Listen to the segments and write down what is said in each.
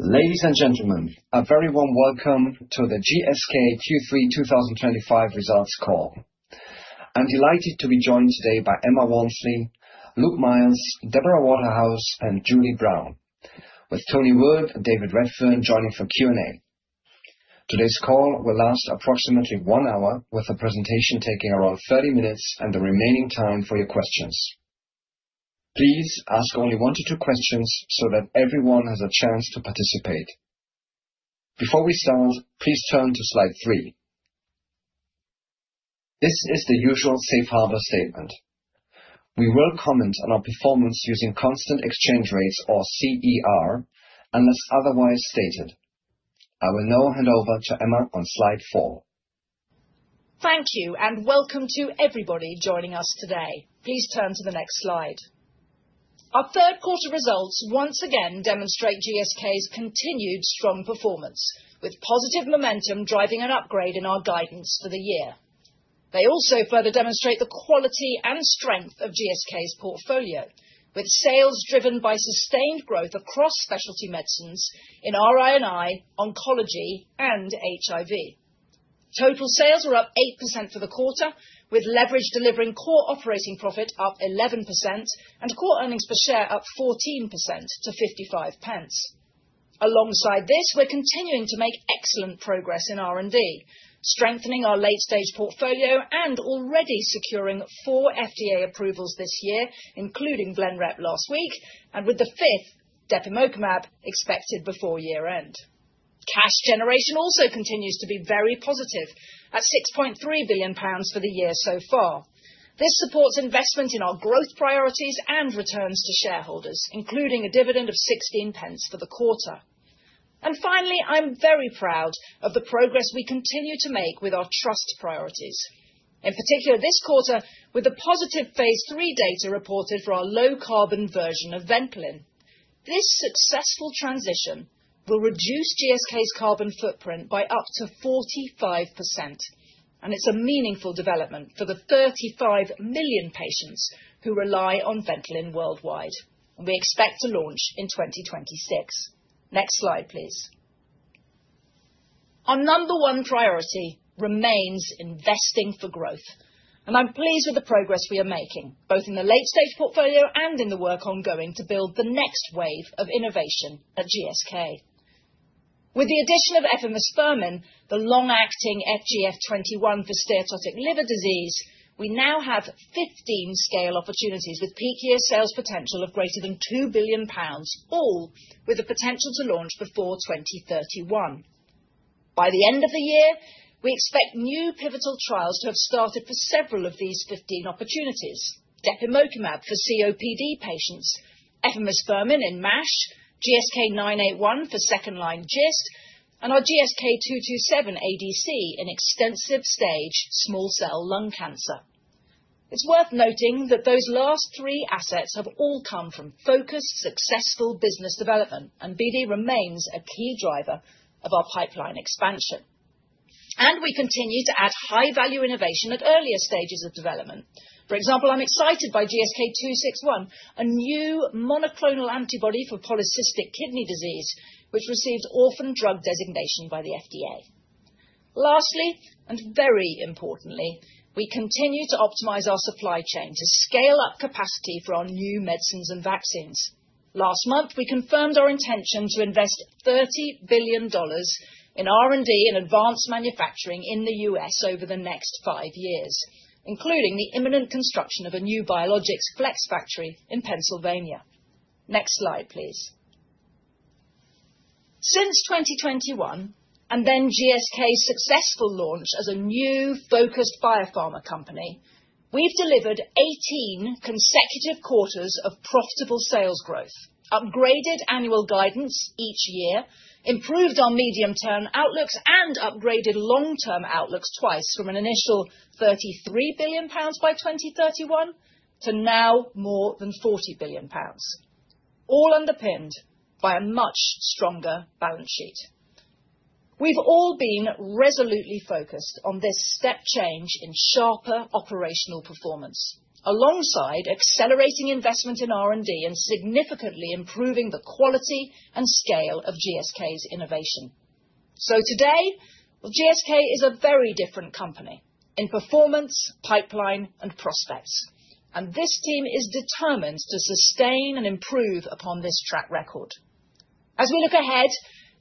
Ladies and gentlemen, a very warm welcome to the GSK Q3 2025 Results Call. I'm delighted to be joined today by Emma Walmsley, Luke Miels, Deborah Waterhouse, and Julie Brown, with Tony Wood and David Redfern joining for Q&A. Today's call will last approximately one hour, with the presentation taking around 30 minutes and the remaining time for your questions. Please ask only one to two questions so that everyone has a chance to participate. Before we start, please turn to slide three. This is the usual Safe Harbor statement. We will comment on our performance using constant exchange rates, or CER, unless otherwise stated. I will now hand over to Emma on slide four. Thank you, and welcome to everybody joining us today. Please turn to the next slide. Our third quarter results once again demonstrate GSK's continued strong performance, with positive momentum driving an upgrade in our guidance for the year. They also further demonstrate the quality and strength of GSK's portfolio, with sales driven by sustained growth across Specialty Medicines in RI&I, Oncology, and HIV. Total sales were up 8% for the quarter, with leverage delivering core operating profit up 11% and core earnings per share up 14% to 0.55. Alongside this, we're continuing to make excellent progress in R&D, strengthening our late-stage portfolio and already securing four FDA approvals this year, including Blenrep last week, and with the fifth, depemokimab, expected before year-end. Cash generation also continues to be very positive, at 6.3 billion pounds for the year so far. This supports investment in our growth priorities and returns to shareholders, including a dividend of 0.16 for the quarter, and finally, I'm very proud of the progress we continue to make with our trust priorities. In particular, this quarter, with the positive phase III data reported for our low-carbon version of Ventolin. This successful transition will reduce GSK's carbon footprint by up to 45%, and it's a meaningful development for the 35 million patients who rely on Ventolin worldwide, and we expect to launch in 2026. Next slide, please. Our number one priority remains investing for growth, and I'm pleased with the progress we are making, both in the late-stage portfolio and in the work ongoing to build the next wave of innovation at GSK. With the addition of efimosfermin, the long-acting FGF21 for steatotic liver disease, we now have 15 scale opportunities with peak year sales potential of greater than 2 billion pounds, all with the potential to launch before 2031. By the end of the year, we expect new pivotal trials to have started for several of these 15 opportunities: depemokimab for COPD patients, efimosfermin in MASH, GSK'981 for second-line GIST, and our GSK'227 ADC in extensive stage small cell lung cancer. It's worth noting that those last three assets have all come from focused, successful business development, and BD remains a key driver of our pipeline expansion. And we continue to add high-value innovation at earlier stages of development. For example, I'm excited by GSK'261, a new monoclonal antibody for polycystic kidney disease, which received orphan drug designation by the FDA. Lastly, and very importantly, we continue to optimize our supply chain to scale up capacity for our new medicines and vaccines. Last month, we confirmed our intention to invest $30 billion in R&D and advanced manufacturing in the U.S. over the next five years, including the imminent construction of a new biologics "flex" factory in Pennsylvania. Next slide, please. Since 2021, and then GSK's successful launch as a new focused biopharma company, we've delivered 18 consecutive quarters of profitable sales growth, upgraded annual guidance each year, improved our medium-term outlooks, and upgraded long-term outlooks twice from an initial 33 billion pounds by 2031 to now more than 40 billion pounds, all underpinned by a much stronger balance sheet. We've all been resolutely focused on this step change in sharper operational performance, alongside accelerating investment in R&D and significantly improving the quality and scale of GSK's innovation. So today, GSK is a very different company in performance, pipeline, and prospects, and this team is determined to sustain and improve upon this track record. As we look ahead,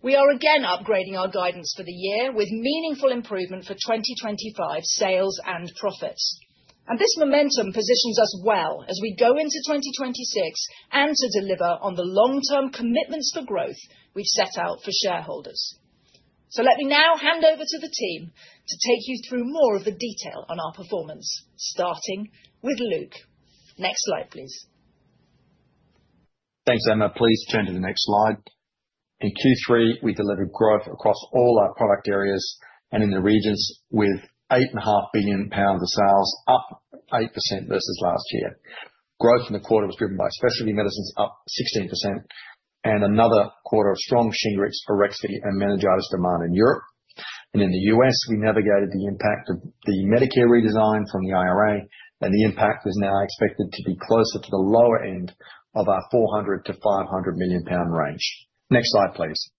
we are again upgrading our guidance for the year with meaningful improvement for 2025 sales and profits. And this momentum positions us well as we go into 2026 and to deliver on the long-term commitments for growth we've set out for shareholders. So let me now hand over to the team to take you through more of the detail on our performance, starting with Luke. Next slide, please. Thanks, Emma. Please turn to the next slide. In Q3, we delivered growth across all our product areas and in the regions with 8.5 billion pounds of sales up 8% versus last year. Growth in the quarter was driven by Specialty Medicines up 16%, and another quarter of strong Shingrix, Arexvy, and Meningitis demand in Europe, and in the U.S., we navigated the impact of the Medicare redesign from the IRA, and the impact is now expected to be closer to the lower end of our 400-500 million pound range. Next slide, please.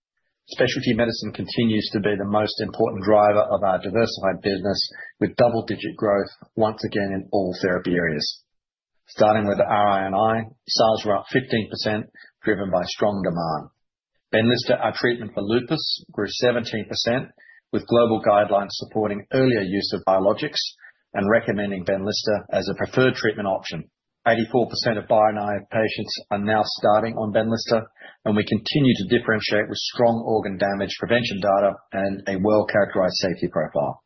Specialty Medicine continues to be the most important driver of our diversified business, with double-digit growth once again in all therapy areas. Starting with RI&I, sales were up 15%, driven by strong demand. Benlysta, our treatment for lupus, grew 17%, with global guidelines supporting earlier use of biologics and recommending Benlysta as a preferred treatment option. 84% of bio-naïve patients are now starting on Benlysta, and we continue to differentiate with strong organ damage prevention data and a well-characterized safety profile.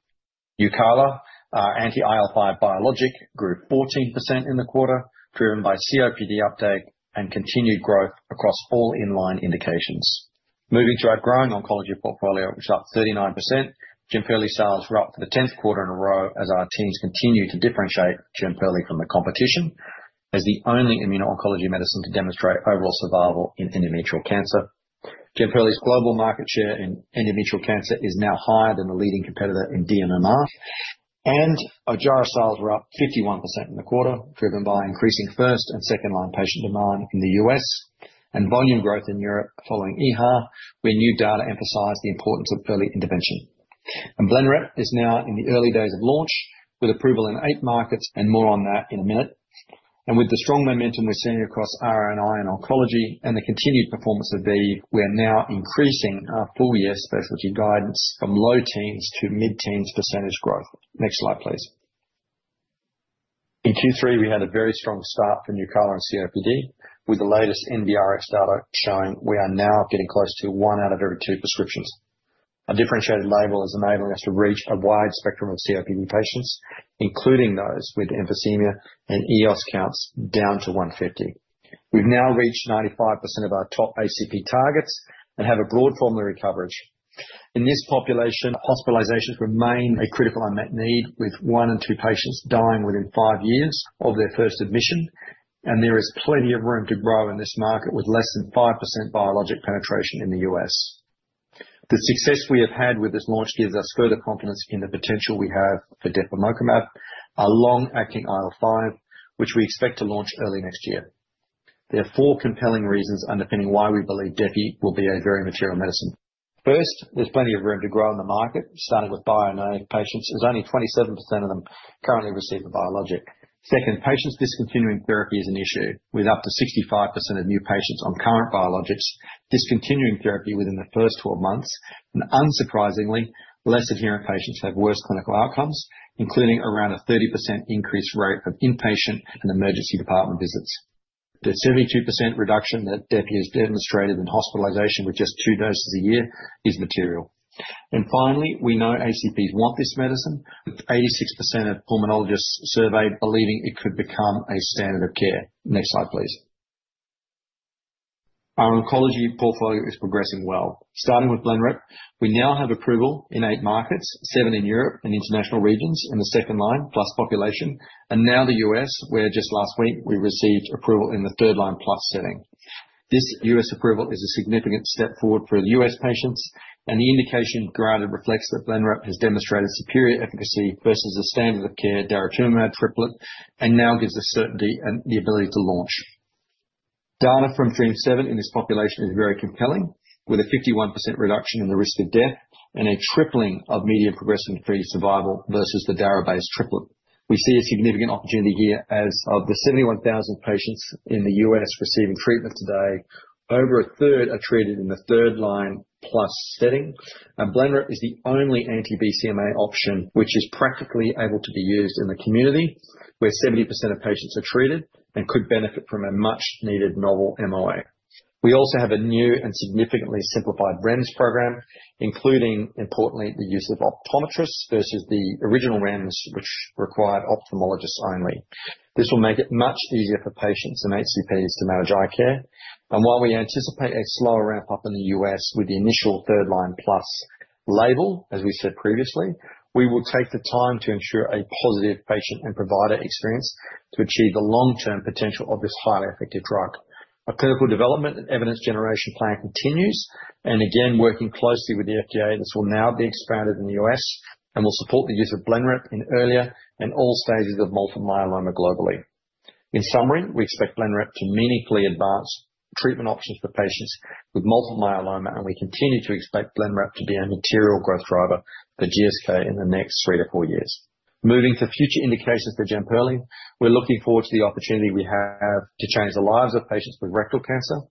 Nucala, our anti-IL5 biologic, grew 14% in the quarter, driven by COPD uptake and continued growth across all inline indications. Moving to our growing Oncology portfolio, which is up 39%, Jemperli sales were up for the 10th quarter in a row as our teams continue to differentiate Jemperli from the competition as the only immuno-oncology medicine to demonstrate overall survival in endometrial cancer. Jemperli's global market share in endometrial cancer is now higher than the leading competitor in dMMR, and Ojjaara sales were up 51% in the quarter, driven by increasing first- and second-line patient demand in the US and volume growth in Europe following EHA, where new data emphasized the importance of early intervention. Blenrep is now in the early days of launch, with approval in eight markets and more on that in a minute. With the strong momentum we're seeing across RI&I and Oncology and the continued performance of BD, we are now increasing our full-year specialty guidance from low-teens to mid-teens percentage growth. Next slide, please. In Q3, we had a very strong start for Nucala and COPD, with the latest NBRx data showing we are now getting close to one out of every two prescriptions. A differentiated label is enabling us to reach a wide spectrum of COPD patients, including those with emphysema and EOS counts down to 150. We've now reached 95% of our top HCP targets and have a broad formulary coverage. In this population, hospitalizations remain a critical unmet need, with one in two patients dying within five years of their first admission, and there is plenty of room to grow in this market with less than 5% biologic penetration in the U.S. The success we have had with this launch gives us further confidence in the potential we have for depemokimab, our long-acting IL5, which we expect to launch early next year. There are four compelling reasons underpinning why we believe depe will be a very material medicine. First, there's plenty of room to grow in the market, starting with bio-naïve patients, as only 27% of them currently receive a biologic. Second, patients discontinuing therapy is an issue, with up to 65% of new patients on current biologics discontinuing therapy within the first 12 months, and unsurprisingly, less adherent patients have worse clinical outcomes, including around a 30% increased rate of inpatient and emergency department visits. The 72% reduction that depe has demonstrated in hospitalization with just two doses a year is material. And finally, we know HCP want this medicine, with 86% of pulmonologists surveyed believing it could become a standard of care. Next slide, please. Our Oncology portfolio is progressing well. Starting with Blenrep, we now have approval in eight markets, seven in Europe and international regions in the second-line plus population, and now the U.S., where just last week we received approval in the third-line plus setting. This U.S. approval is a significant step forward for the U.S. patients, and the indication granted reflects that Blenrep has demonstrated superior efficacy versus the standard of care daratumumab triplet and now gives us certainty and the ability to launch. Data from DREAMM-7 in this population is very compelling, with a 51% reduction in the risk of death and a tripling of median progression-free survival versus the dara-based triplet. We see a significant opportunity here as of the 71,000 patients in the U.S. receiving treatment today, over a third are treated in the third-line plus setting, and Blenrep is the only anti-BCMA option which is practically able to be used in the community where 70% of patients are treated and could benefit from a much-needed novel MOA. We also have a new and significantly simplified REMS program, including, importantly, the use of optometrists versus the original REMS, which required ophthalmologists only. This will make it much easier for patients and HCPs to manage eye care. And while we anticipate a slower ramp-up in the U.S. with the initial third-line plus label, as we said previously, we will take the time to ensure a positive patient and provider experience to achieve the long-term potential of this highly effective drug. Our clinical development and evidence generation plan continues, and again, working closely with the FDA, this will now be expanded in the U.S. and will support the use of Blenrep in earlier and all stages of multiple myeloma globally. In summary, we expect Blenrep to meaningfully advance treatment options for patients with multiple myeloma, and we continue to expect Blenrep to be a material growth driver for GSK in the next three to four years. Moving to future indications for Jemperli, we're looking forward to the opportunity we have to change the lives of patients with rectal cancer,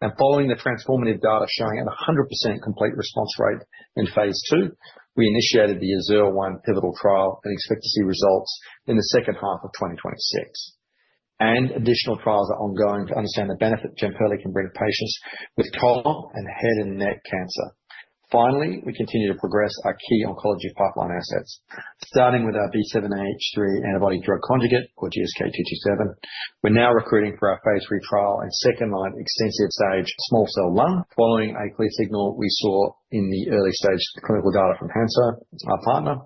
and following the transformative data showing at 100% complete response rate in phase two, we initiated the AZUR-1 pivotal trial and expect to see results in the second half of 2026, and additional trials are ongoing to understand the benefit Jemperli can bring to patients with colon and head and neck cancer. Finally, we continue to progress our key oncology pipeline assets, starting with our B7-H3 antibody-drug conjugate, or GSK'227. We're now recruiting for our phase III trial and second-line extensive-stage small-cell lung cancer, following a clear signal we saw in the early-stage clinical data from Hansoh, our partner.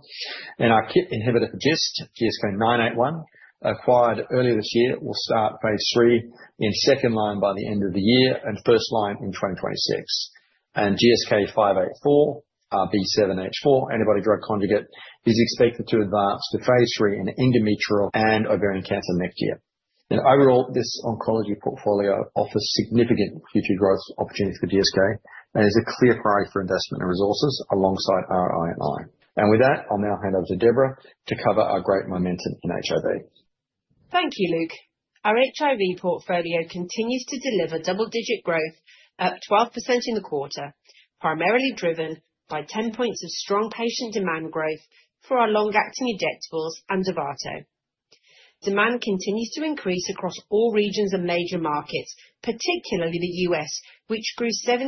And our KIT inhibitor for GIST, GSK'981, acquired earlier this year, will start phase III in second-line by the end of the year and first-line in 2026. And GSK'584, our B7-H4 antibody-drug conjugate, is expected to advance to phase III in endometrial and ovarian cancer next year. And overall, this Oncology portfolio offers significant future growth opportunities for GSK and is a clear priority for investment and resources alongside RI&I. And with that, I'll now hand over to Deborah to cover our great momentum in HIV. Thank you, Luke. Our HIV portfolio continues to deliver double-digit growth at 12% in the quarter, primarily driven by 10 points of strong patient demand growth for our long-acting injectables and Dovato. Demand continues to increase across all regions and major markets, particularly the U.S., which grew 17%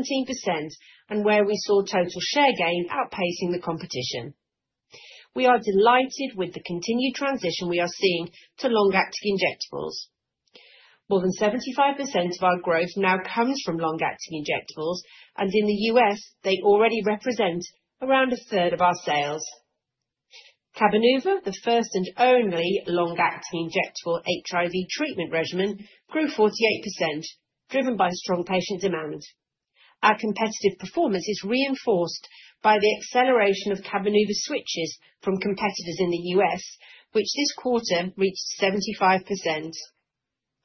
and where we saw total share gain outpacing the competition. We are delighted with the continued transition we are seeing to long-acting injectables. More than 75% of our growth now comes from long-acting injectables, and in the U.S., they already represent around a 1/3 of our sales. Cabenuva, the first and only long-acting injectable HIV treatment regimen, grew 48%, driven by strong patient demand. Our competitive performance is reinforced by the acceleration of Cabenuva switches from competitors in the U.S., which this quarter reached 75%.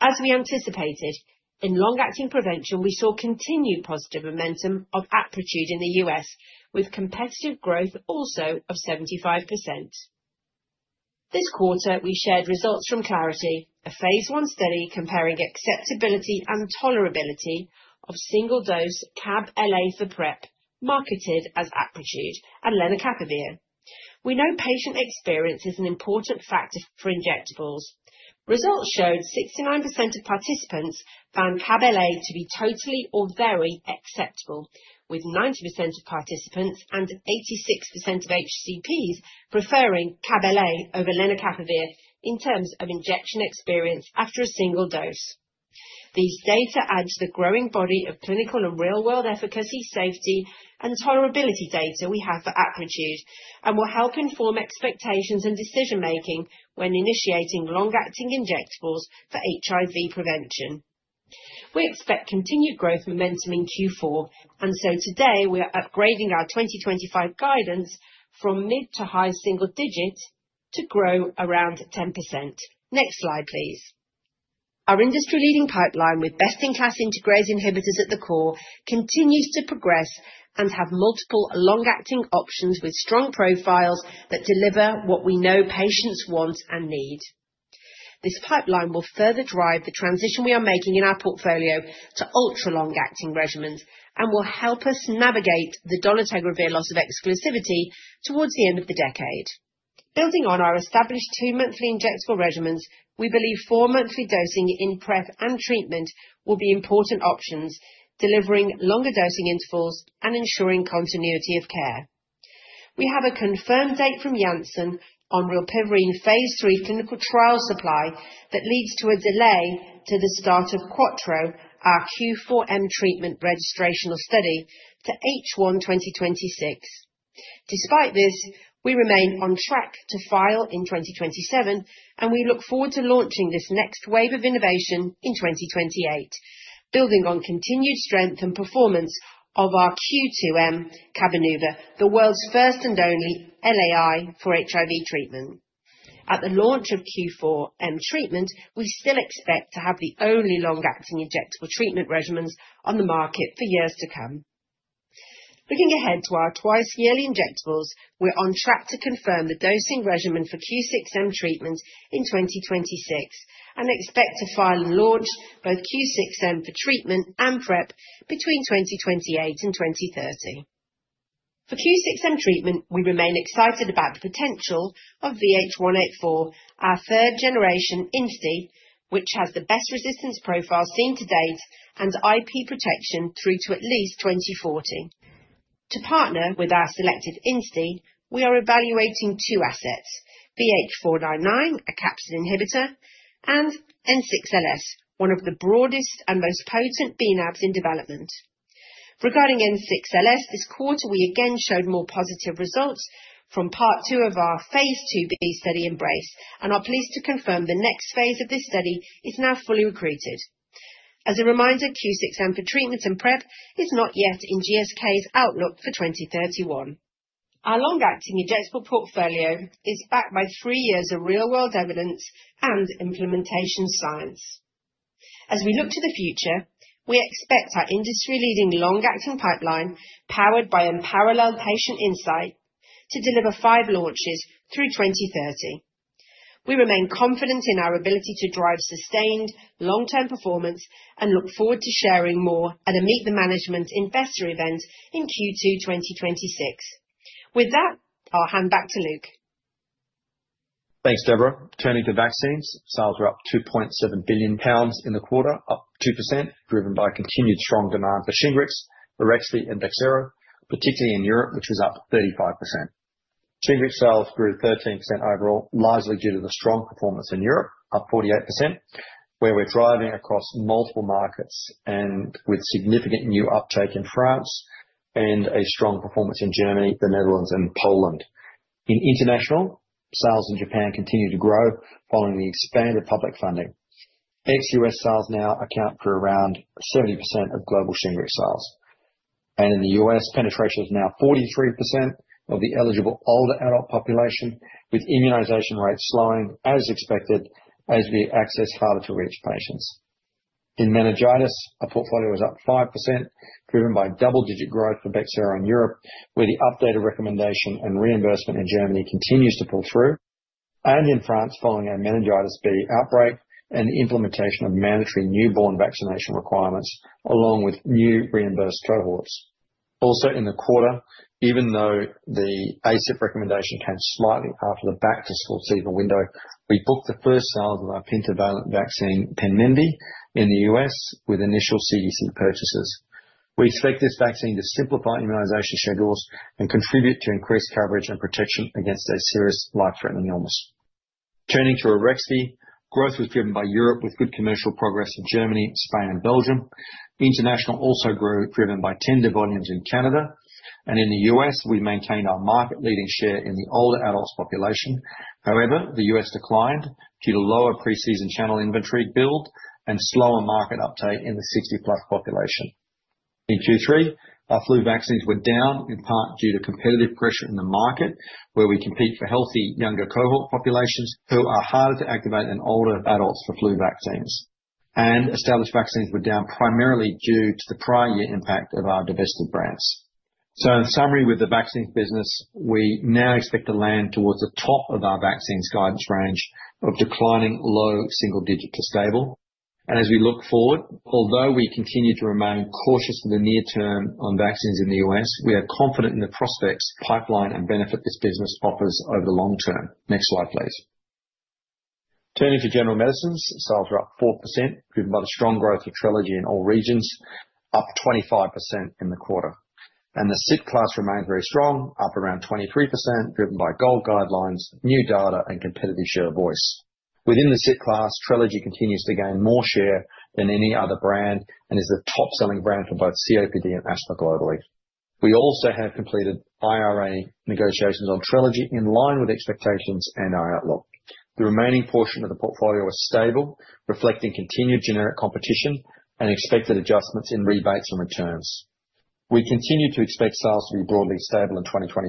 As we anticipated, in long-acting prevention, we saw continued positive momentum of Apretude in the U.S., with competitive growth also of 75%. This quarter, we shared results from CLARITY, a phase I study comparing acceptability and tolerability of single-dose CAB LA for PrEP, marketed as Apretude and lenacapavir. We know patient experience is an important factor for injectables. Results showed 69% of participants found CAB LA to be totally or very acceptable, with 90% of participants and 86% of HCPs preferring CAB LA over lenacapavir in terms of injection experience after a single dose. These data add to the growing body of clinical and real-world efficacy, safety, and tolerability data we have for Apretude and will help inform expectations and decision-making when initiating long-acting injectables for HIV prevention. We expect continued growth momentum in Q4, and so today we are upgrading our 2025 guidance from mid to high single-digit to grow around 10%. Next slide, please. Our industry-leading pipeline with best-in-class integrase inhibitors at the core continues to progress and have multiple long-acting options with strong profiles that deliver what we know patients want and need. This pipeline will further drive the transition we are making in our portfolio to ultra-long-acting regimens and will help us navigate the dolutegravir loss of exclusivity towards the end of the decade. Building on our established two-monthly injectable regimens, we believe four-monthly dosing in PrEP and treatment will be important options, delivering longer dosing intervals and ensuring continuity of care. We have a confirmed date from Janssen on Rilpivirine phase III clinical trial supply that leads to a delay to the start of CUATRO, our Q4M treatment registrational study, to H1 2026. Despite this, we remain on track to file in 2027, and we look forward to launching this next wave of innovation in 2028, building on continued strength and performance of our Q2M Cabenuva, the world's first and only LAI for HIV treatment. At the launch of Q4M treatment, we still expect to have the only long-acting injectable treatment regimens on the market for years to come. Looking ahead to our twice-yearly injectables, we're on track to confirm the dosing regimen for Q6M treatment in 2026 and expect to file and launch both Q6M for treatment and PrEP between 2028 and 2030. For Q6M treatment, we remain excited about the potential of VH184, our third-generation INSTI, which has the best resistance profile seen to date and IP protection through to at least 2040. To partner with our selected INSTI, we are evaluating two assets, VH499, a capsid inhibitor, and N6LS, one of the broadest and most potent bNAbs in development. Regarding N6LS, this quarter we again showed more positive results from part two of our phase II-B study EMBRACE, and our plans to confirm the next phase of this study is now fully recruited. As a reminder, Q6M for treatment and PrEP is not yet in GSK's outlook for 2031. Our long-acting injectable portfolio is backed by three years of real-world evidence and implementation science. As we look to the future, we expect our industry-leading long-acting pipeline, powered by unparalleled patient insight, to deliver five launches through 2030. We remain confident in our ability to drive sustained long-term performance and look forward to sharing more at a "meet the management" investor event in Q2 2026. With that, I'll hand back to Luke. Thanks, Deborah. Turning to vaccines, sales were up 2.7 billion pounds in the quarter, up 2%, driven by continued strong demand for Shingrix, Arexvy, and Bexsero, particularly in Europe, which was up 35%. Shingrix sales grew 13% overall, largely due to the strong performance in Europe, up 48%, where we're driving across multiple markets and with significant new uptake in France and a strong performance in Germany, the Netherlands, and Poland. In international, sales in Japan continue to grow following the expanded public funding. Ex-US sales now account for around 70% of global Shingrix sales. And in the US, penetration is now 43% of the eligible older adult population, with immunization rates slowing as expected as we access harder-to-reach patients. In Meningitis, our portfolio is up 5%, driven by double-digit growth for Bexsero in Europe, where the updated recommendation and reimbursement in Germany continues to pull through, and in France following a Meningitis B outbreak and the implementation of mandatory newborn vaccination requirements, along with new reimbursed cohorts. Also, in the quarter, even though the ACIP Recommendation came slightly after the back-to-school season window, we booked the first sales of our pentavalent vaccine, Penmenvy, in the U.S. with initial CDC purchases. We expect this vaccine to simplify immunization schedules and contribute to increased coverage and protection against a serious life-threatening illness. Turning to Arexvy, growth was driven by Europe with good commercial progress in Germany, Spain, and Belgium. International also grew, driven by tender volumes in Canada. And in the U.S., we maintained our market-leading share in the older adults population. However, the U.S. declined due to lower pre-season channel inventory build and slower market uptake in the 60+ population. In Q3, our flu vaccines were down, in part due to competitive pressure in the market, where we compete for healthy younger cohort populations who are harder to activate than older adults for flu vaccines. And established vaccines were down primarily due to the prior year impact of our domestic brands. So, in summary, with the vaccines business, we now expect to land toward the top of our vaccines guidance range of declining low single-digit to stable. And as we look forward, although we continue to remain cautious for the near term on vaccines in the U.S., we are confident in the prospects, pipeline, and benefit this business offers over the long term. Next slide, please. Turning to general medicines, sales were up 4%, driven by the strong growth of Trelegy in all regions, up 25% in the quarter. And the SITT class remained very strong, up around 23%, driven by GOLD guidelines, new data, and competitive share of voice. Within the SITT class, Trelegy continues to gain more share than any other brand and is the top-selling brand for both COPD and asthma globally. We also have completed IRA negotiations on Trelegy in line with expectations and our outlook. The remaining portion of the portfolio is stable, reflecting continued generic competition and expected adjustments in rebates and returns. We continue to expect sales to be broadly stable in 2025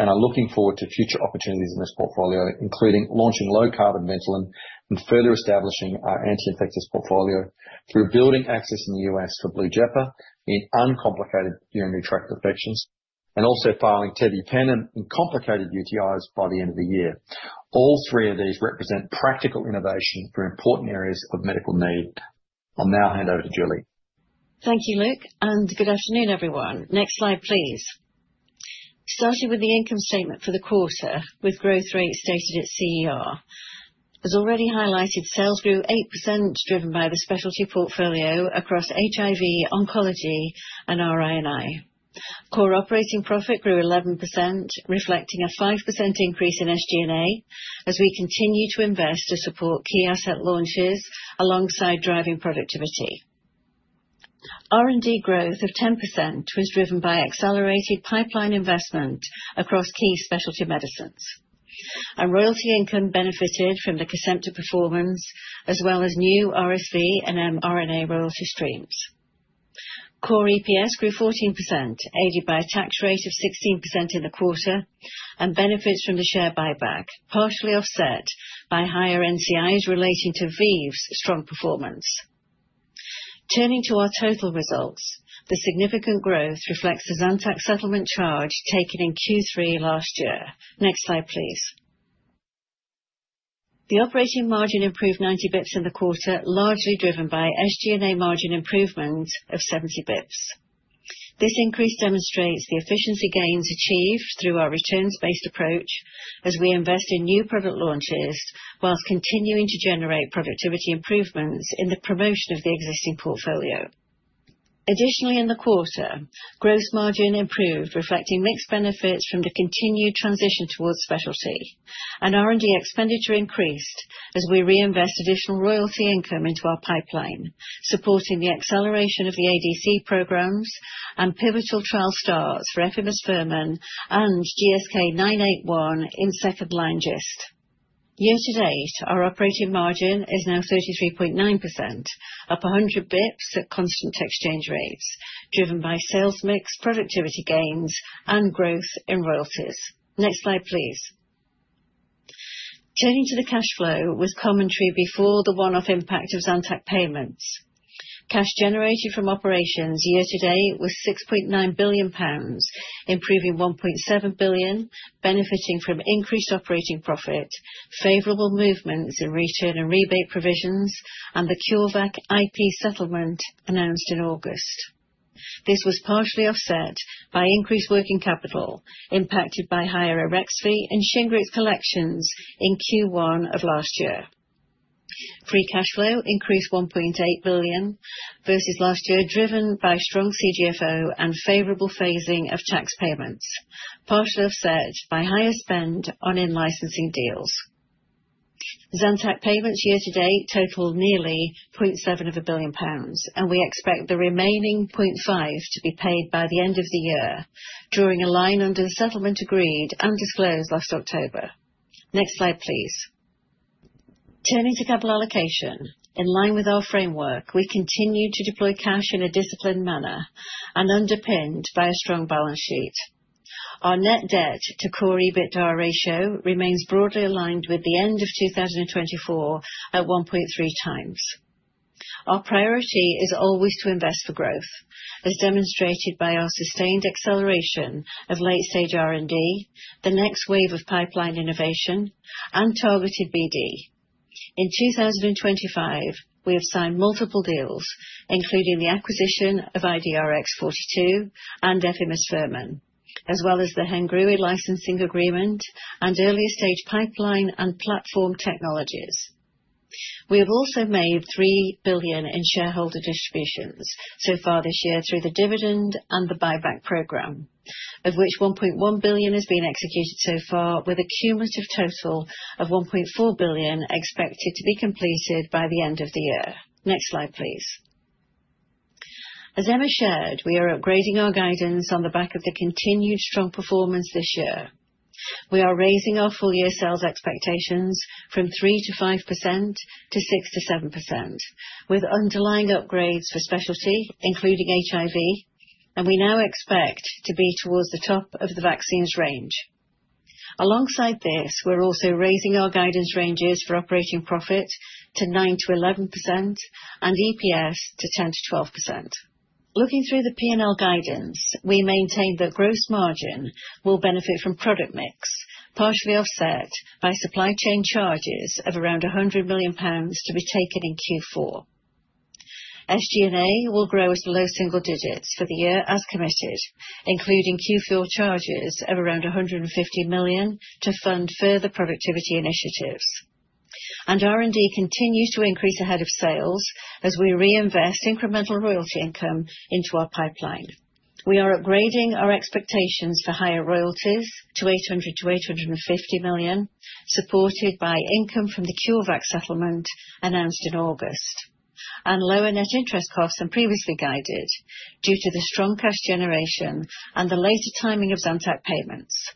and are looking forward to future opportunities in this portfolio, including launching low-carbon Ventolin and further establishing our anti-infectious portfolio through building access in the U.S. for Blujepa in uncomplicated urinary tract infections and also filing tebipenem in complicated UTIs by the end of the year. All three of these represent practical innovation for important areas of medical need. I'll now hand over to Julie. Thank you, Luke, and good afternoon, everyone. Next slide, please. Starting with the income statement for the quarter, with growth rate stated at CER. As already highlighted, sales grew 8%, driven by the specialty portfolio across HIV, Oncology, and RI&I. Core operating profit grew 11%, reflecting a 5% increase in SG&A as we continue to invest to support key asset launches alongside driving productivity. R&D growth of 10% was driven by accelerated pipeline investment across key Specialty Medicines. And royalty income benefited from the Kesimpta performance, as well as new RSV and mRNA royalty streams. Core EPS grew 14%, aided by a tax rate of 16% in the quarter and benefits from the share buyback, partially offset by higher NCIs relating to ViiV's strong performance. Turning to our total results, the significant growth reflects the Zantac settlement charge taken in Q3 last year. Next slide, please. The operating margin improved 90 basis points in the quarter, largely driven by SG&A margin improvement of 70 basis points. This increase demonstrates the efficiency gains achieved through our returns-based approach as we invest in new product launches whilst continuing to generate productivity improvements in the promotion of the existing portfolio. Additionally, in the quarter, gross margin improved, reflecting mixed benefits from the continued transition towards specialty, and R&D expenditure increased as we reinvest additional royalty income into our pipeline, supporting the acceleration of the ADC programs and pivotal trial starts for efimosfermin and GSK'981 in second-line GIST. Year-to-date, our operating margin is now 33.9%, up 100 basis points at constant exchange rates, driven by sales mix, productivity gains, and growth in royalties. Next slide, please. Turning to the cash flow, with commentary before the one-off impact of Zantac payments. Cash generated from operations year-to-date was 6.9 billion pounds, improving 1.7 billion, benefiting from increased operating profit, favorable movements in return and rebate provisions, and the CureVac IP settlement announced in August. This was partially offset by increased working capital impacted by higher Arexvy fees and Shingrix collections in Q1 of last year. Free cash flow increased 1.8 billion versus last year, driven by strong CGFO and favorable phasing of tax payments, partially offset by higher spend on in-licensing deals. Zantac payments year-to-date totaled nearly 0.7 billion pounds, and we expect the remaining 0.5 billion to be paid by the end of the year, drawing a line under the settlement agreed and disclosed last October. Next slide, please. Turning to capital allocation, in line with our framework, we continue to deploy cash in a disciplined manner and underpinned by a strong balance sheet. Our net debt to core EBITDA ratio remains broadly aligned with the end of 2024 at 1.3x. Our priority is always to invest for growth, as demonstrated by our sustained acceleration of late-stage R&D, the next wave of pipeline innovation, and targeted BD. In 2025, we have signed multiple deals, including the acquisition of IDRX-42 and efimosfermin, as well as the Hengrui licensing agreement and earlier stage pipeline and platform technologies. We have also made 3 billion in shareholder distributions so far this year through the dividend and the buyback program, of which 1.1 billion has been executed so far, with a cumulative total of 1.4 billion expected to be completed by the end of the year. Next slide, please. As Emma shared, we are upgrading our guidance on the back of the continued strong performance this year. We are raising our full-year sales expectations from 3%-5% to 6%-7%, with underlying upgrades for specialty, including HIV, and we now expect to be towards the top of the vaccines range. Alongside this, we're also raising our guidance ranges for operating profit to 9%-11% and EPS to 10%-12%. Looking through the P&L guidance, we maintain that gross margin will benefit from product mix, partially offset by supply chain charges of around 100 million pounds to be taken in Q4. SG&A will grow as below single-digits for the year as committed, including Q4 charges of around 150 million to fund further productivity initiatives. And R&D continues to increase ahead of sales as we reinvest incremental royalty income into our pipeline. We are upgrading our expectations for higher royalties to 800 million-850 million, supported by income from the CureVac settlement announced in August, and lower net interest costs than previously guided due to the strong cash generation and the later timing of Zantac payments.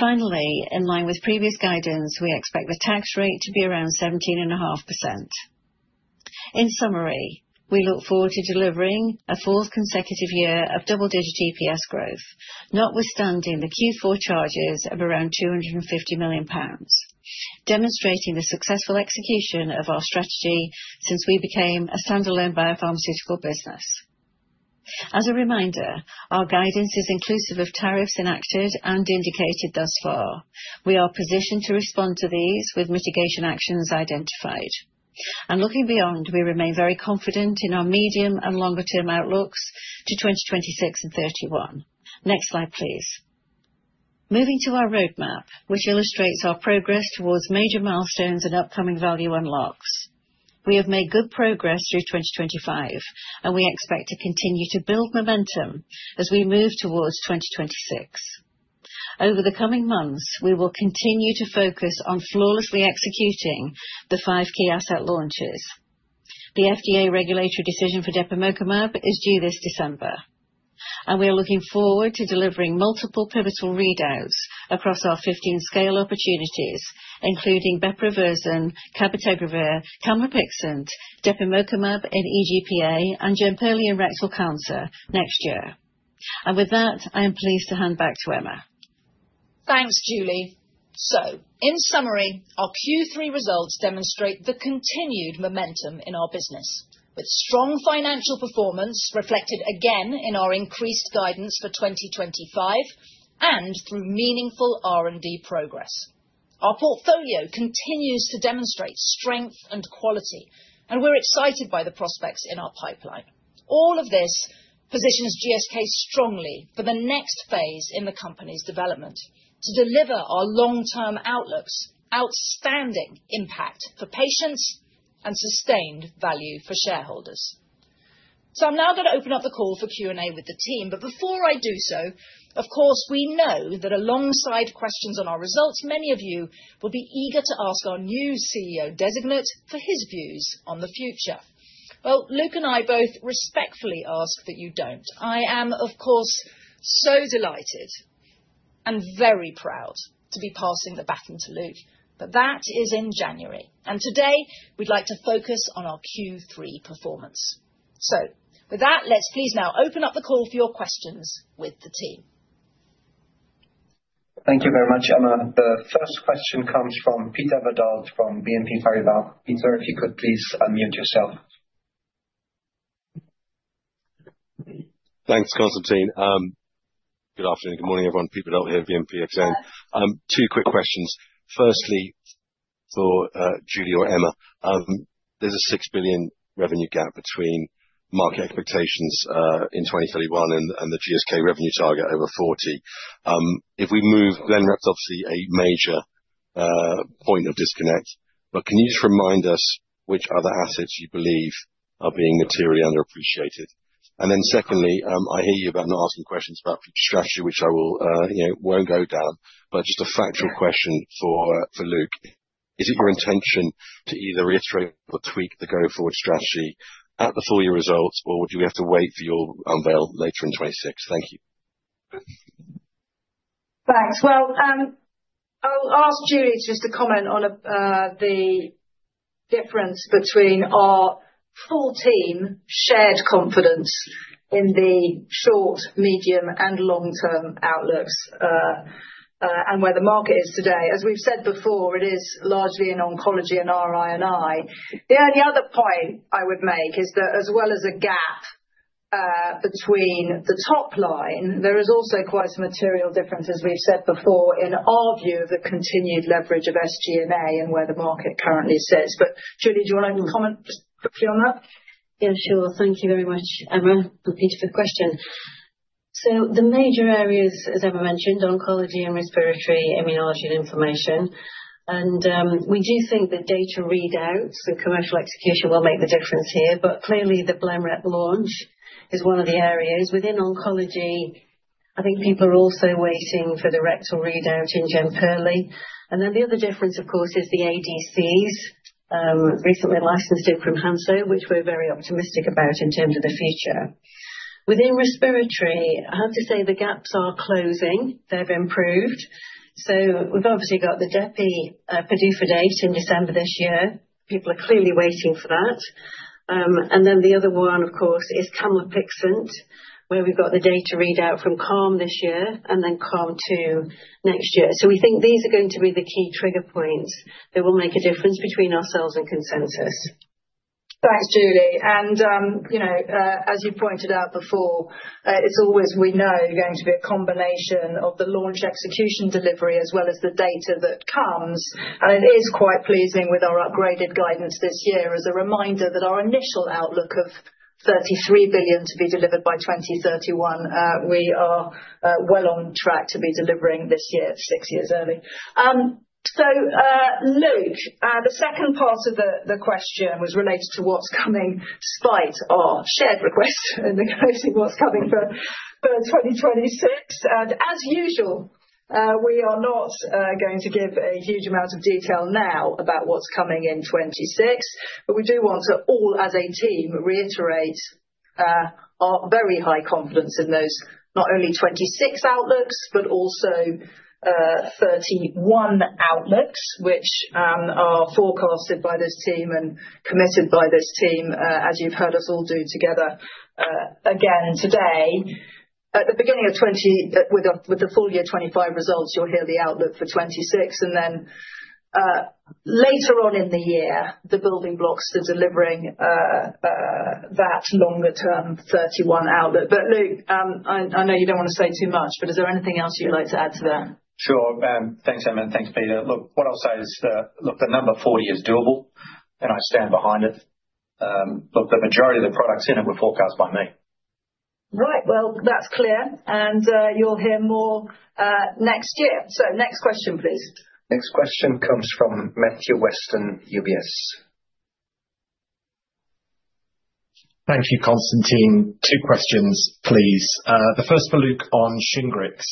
Finally, in line with previous guidance, we expect the tax rate to be around 17.5%. In summary, we look forward to delivering a fourth consecutive year of double-digit EPS growth, notwithstanding the Q4 charges of around 250 million pounds, demonstrating the successful execution of our strategy since we became a standalone biopharmaceutical business. As a reminder, our guidance is inclusive of tariffs enacted and indicated thus far. We are positioned to respond to these with mitigation actions identified, and looking beyond, we remain very confident in our medium and longer-term outlooks to 2026 and 2031. Next slide, please. Moving to our roadmap, which illustrates our progress towards major milestones and upcoming value unlocks. We have made good progress through 2025, and we expect to continue to build momentum as we move towards 2026. Over the coming months, we will continue to focus on flawlessly executing the five key asset launches. The FDA regulatory decision for depemokimab is due this December, and we are looking forward to delivering multiple pivotal readouts across our 15 scale opportunities, including bepirovirsen, cabotegravir, camlipixant, depemokimab, and EGPA, and Jemperli rectal cancer next year, and with that, I am pleased to hand back to Emma. Thanks, Julie, so in summary, our Q3 results demonstrate the continued momentum in our business, with strong financial performance reflected again in our increased guidance for 2025 and through meaningful R&D progress. Our portfolio continues to demonstrate strength and quality, and we're excited by the prospects in our pipeline. All of this positions GSK strongly for the next phase in the company's development to deliver our long-term outlooks: outstanding impact for patients and sustained value for shareholders, so I'm now going to open up the call for Q&A with the team, but before I do so, of course, we know that alongside questions on our results, many of you will be eager to ask our new CEO designate for his views on the future, well, Luke and I both respectfully ask that you don't, I am, of course, so delighted and very proud to be passing the baton to Luke, but that is in January, and today, we'd like to focus on our Q3 performance, so, with that, let's please now open up the call for your questions with the team. Thank you very much, Emma. The first question comes from Peter Verdult from BNP Paribas. Peter, if you could please unmute yourself. Thanks, Constantin. Good afternoon. Good morning, everyone. Peter Verdult here, BNP Exane. Two quick questions. Firstly, for Julie or Emma, there's a 6 billion revenue gap between market expectations in 2021 and the GSK revenue target over 40. If we move, then that's obviously a major point of disconnect. But can you just remind us which other assets you believe are being materially underappreciated? And then secondly, I hear you about not asking questions about future strategy, which I will, you know, won't go down. But just a factual question for Luke. Is it your intention to either reiterate or tweak the going forward strategy at the full-year results, or do we have to wait for your unveil later in 2026? Thank you. Thanks. Well, I'll ask Julie to just comment on the difference between our full team's shared confidence in the short, medium, and long-term outlooks and where the market is today. As we've said before, it is largely in Oncology and RI&I. The only other point I would make is that, as well as a gap between the top line, there is also quite a material difference, as we've said before, in our view of the continued leverage of SG&A and where the market currently sits. But Julie, do you want to comment just quickly on that? Yeah, sure. Thank you very much, Emma. I'm pleased for the question. So the major areas, as Emma mentioned, Oncology and Respiratory, Immunology & Inflammation. And we do think the data readouts and commercial execution will make the difference here. But clearly, the Blenrep launch is one of the areas. Within Oncology, I think people are also waiting for the rectal readout in Jemperli. And then the other difference, of course, is the ADCs, recently licensed from Hansoh, which we're very optimistic about in terms of the future. Within Respiratory, I have to say the gaps are closing. They've improved. So we've obviously got the depemokimab PDUFA date in December this year. People are clearly waiting for that. And then the other one, of course, is camlipixant, where we've got the data readout from CALM this year and then CALM II next year. So we think these are going to be the key trigger points that will make a difference between ourselves and consensus. Thanks, Julie. And, you know, as you pointed out before, it's always, we know, going to be a combination of the launch execution delivery as well as the data that comes. And it is quite pleasing with our upgraded guidance this year, as a reminder that our initial outlook of 33 billion to be delivered by 2031. We are well on track to be delivering this year, six years early. So, Luke, the second part of the question was related to what's coming despite our shared request in the closing, what's coming for 2026. And as usual, we are not going to give a huge amount of detail now about what's coming in 2026, but we do want to all, as a team, reiterate our very high confidence in those not only 2026 outlooks, but also 2031 outlooks, which are forecasted by this team and committed by this team, as you've heard us all do together again today. At the beginning of 2020, with the full year 2025 results, you'll hear the outlook for 2026. And then later on in the year, the building blocks to delivering that longer-term 2031 outlook. But Luke, I know you don't want to say too much, but is there anything else you'd like to add to that? Sure. Thanks, Emma. Thanks, Peter. Look, what I'll say is that, look, the number 40 is doable, and I stand behind it. Look, the majority of the products in it were forecast by me. Right. Well, that's clear. And you'll hear more next year. So next question, please. Next question comes from Matthew Weston, UBS. Thank you, Constantin. Two questions, please. The first for Luke on Shingrix.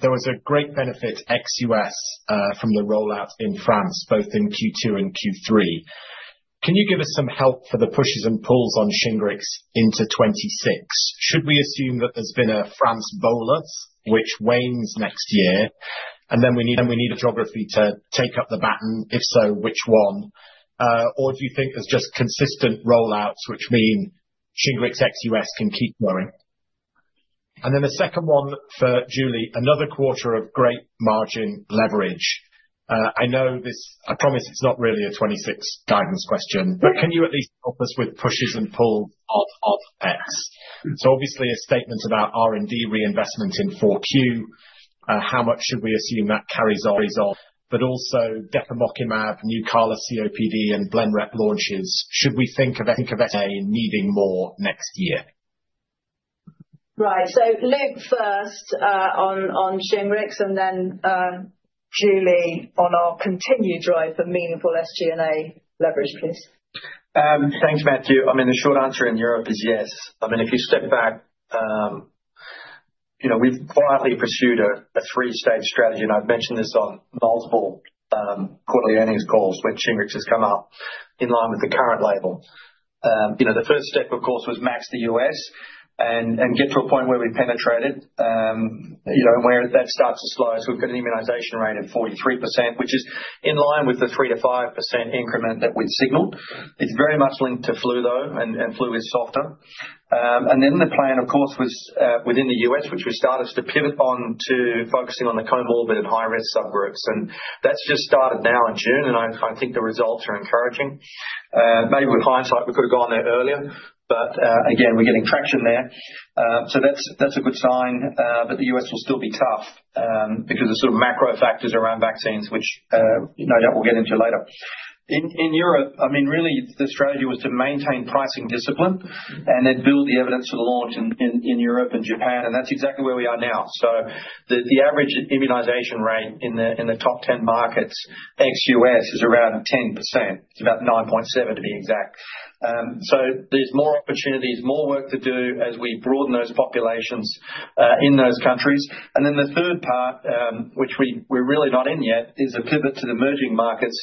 There was a great benefit ex-US from the rollout in France, both in Q2 and Q3. Can you give us some help for the pushes and pulls on Shingrix into 2026? Should we assume that there's been a France bolus, which wanes next year, and then we need geography to take up the baton? If so, which one? Or do you think there's just consistent rollouts, which mean Shingrix XUS can keep going? And then the second one for Julie, another quarter of great margin leverage. I know this, I promise it's not really a 2026 guidance question, but can you at least help us with pushes and pulls of 2025, so obviously a statement about R&D reinvestment in 4Q, how much should we assume that carries on, but also depemokimab, Nucala COPD, and Blenrep launches, should we think of SG&A needing more next year? Right, so Luke first on Shingrix, and then Julie on our continued drive for meaningful SG&A leverage, please. Thanks, Matthew. I mean, the short answer in Europe is yes. I mean, if you step back, you know, we've quietly pursued a three-stage strategy, and I've mentioned this on multiple quarterly earnings calls where Shingrix has come up in line with the current label. You know, the first step, of course, was max the U.S. and get to a point where we penetrated, you know, and where that starts to slow. So we've got an immunization rate of 43%, which is in line with the 3%-5% increment that we'd signaled. It's very much linked to flu, though, and flu is softer. And then the plan, of course, was within the U.S., which we started to pivot on to focusing on the co-morbid and high-risk subgroups. And that's just started now in June, and I think the results are encouraging. Maybe with hindsight, we could have gone there earlier, but again, we're getting traction there. So that's a good sign, but the U.S. will still be tough because of sort of macro factors around vaccines, which no doubt we'll get into later. In Europe, I mean, really the strategy was to maintain pricing discipline and then build the evidence for the launch in Europe and Japan. And that's exactly where we are now. So the average immunization rate in the top 10 markets XUS is around 10%. It's about 9.7% to be exact. So there's more opportunities, more work to do as we broaden those populations in those countries. And then the third part, which we're really not in yet, is a pivot to the emerging markets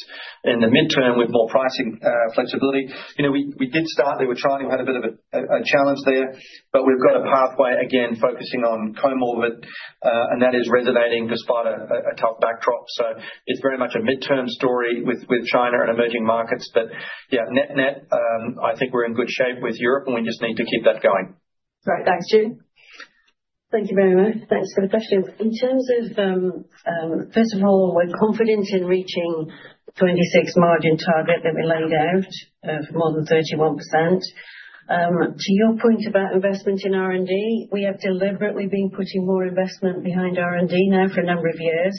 in the midterm with more pricing flexibility. You know, we did start, they were trying, we had a bit of a challenge there, but we've got a pathway again focusing on co-morbid, and that is resonating despite a tough backdrop. So it's very much a midterm story with China and emerging markets. But yeah, net net, I think we're in good shape with Europe, and we just need to keep that going. Right. Thanks, Julie? Thank you very much. Thanks for the question. In terms of, first of all, we're confident in reaching the 2026 margin target that we laid out for more than 31%. To your point about investment in R&D, we have deliberately been putting more investment behind R&D now for a number of years,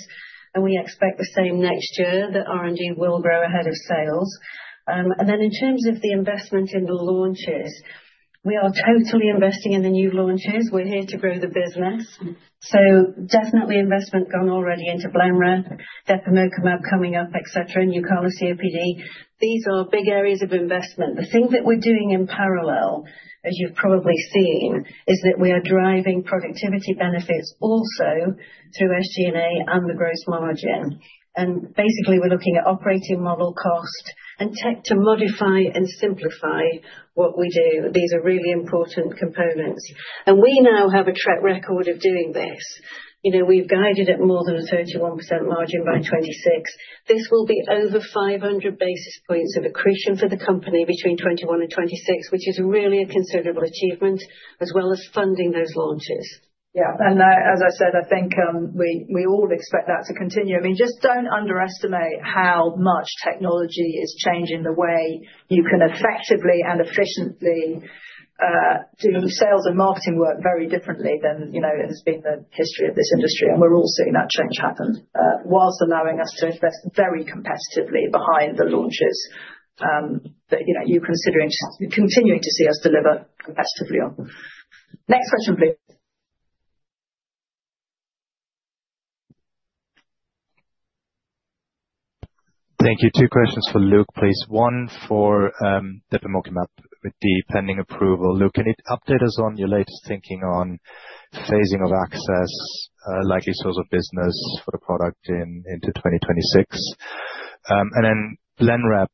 and we expect the same next year, that R&D will grow ahead of sales. And then in terms of the investment in the launches, we are totally investing in the new launches. We're here to grow the business. So definitely investment gone already into Blenrep, depemokimab coming up, etc., Nucala COPD. These are big areas of investment. The thing that we're doing in parallel, as you've probably seen, is that we are driving productivity benefits also through SG&A and the gross margin. And basically, we're looking at operating model cost and tech to modify and simplify what we do. These are really important components. And we now have a track record of doing this. You know, we've guided at more than a 31% margin by 2026. This will be over 500 basis points of accretion for the company between 2021 and 2026, which is really a considerable achievement, as well as funding those launches. Yeah and as I said, I think we all expect that to continue. I mean, just don't underestimate how much technology is changing the way you can effectively and efficiently do sales and marketing work very differently than, you know, it has been the history of this industry. And we're all seeing that change happen whilst allowing us to invest very competitively behind the launches that, you know, you're considering continuing to see us deliver competitively on. Next question, please. Thank you. Two questions for Luke, please. One for depemokimab with the pending approval. Luke, can you update us on your latest thinking on phasing of access, likely source of business for the product into 2026? And then Blenrep,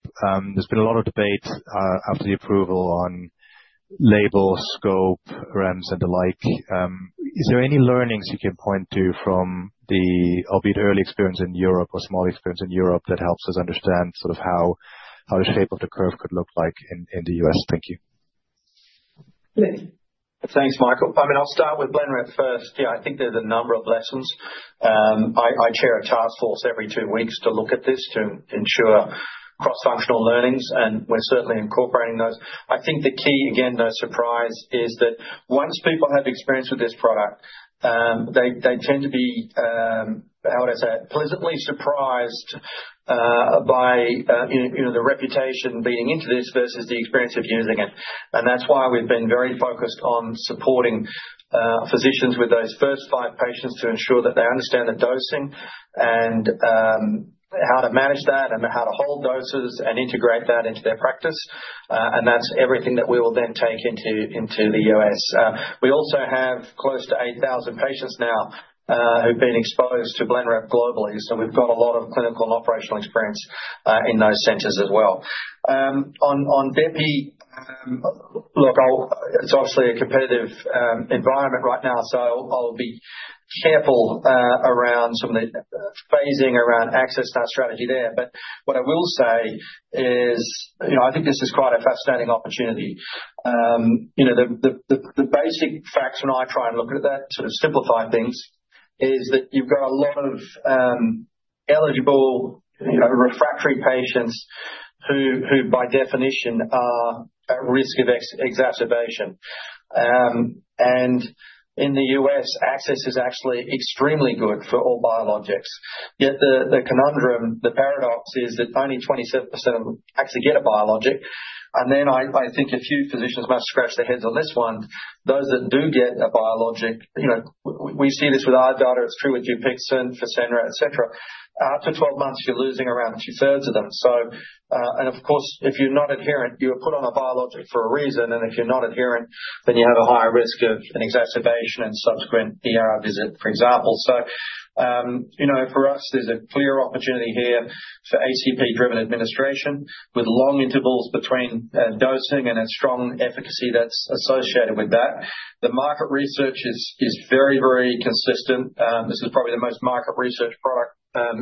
there's been a lot of debate after the approval on label, scope, REMS, and the like. Is there any learnings you can point to from the, albeit early experience in Europe or small experience in Europe that helps us understand sort of how the shape of the curve could look like in the U.S.? Thank you. Thanks, Michael. I mean, I'll start with Blenrep first. Yeah, I think there's a number of lessons. I chair a task force every two weeks to look at this to ensure cross-functional learnings, and we're certainly incorporating those. I think the key, again, no surprise, is that once people have experience with this product, they tend to be, how would I say, pleasantly surprised by, you know, the reputation leading into this versus the experience of using it. And that's why we've been very focused on supporting physicians with those first five patients to ensure that they understand the dosing and how to manage that and how to hold doses and integrate that into their practice. And that's everything that we will then take into the U.S. We also have close to 8,000 patients now who've been exposed to Blenrep globally. So we've got a lot of clinical and operational experience in those centers as well. On depe, look, it's obviously a competitive environment right now, so I'll be careful around some of the phasing around access to that strategy there. But what I will say is, you know, I think this is quite a fascinating opportunity. You know, the basic facts when I try and look at that, sort of simplify things, is that you've got a lot of eligible, you know, refractory patients who, by definition, are at risk of exacerbation, and in the U.S., access is actually extremely good for all biologics. Yet the conundrum, the paradox is that only 27% actually get a biologic, and then I think a few physicians must scratch their heads on this one. Those that do get a biologic, you know, we see this with our data, it's true with Dupixent, FASENRA, etc. After 12 months, you're losing around two-thirds of them, so and of course, if you're not adherent, you were put on a biologic for a reason, and if you're not adherent, then you have a higher risk of an exacerbation and subsequent visit, for example. So, you know, for us, there's a clear opportunity here for HCP-driven administration with long intervals between dosing and a strong efficacy that's associated with that. The market research is very, very consistent. This is probably the most market researched product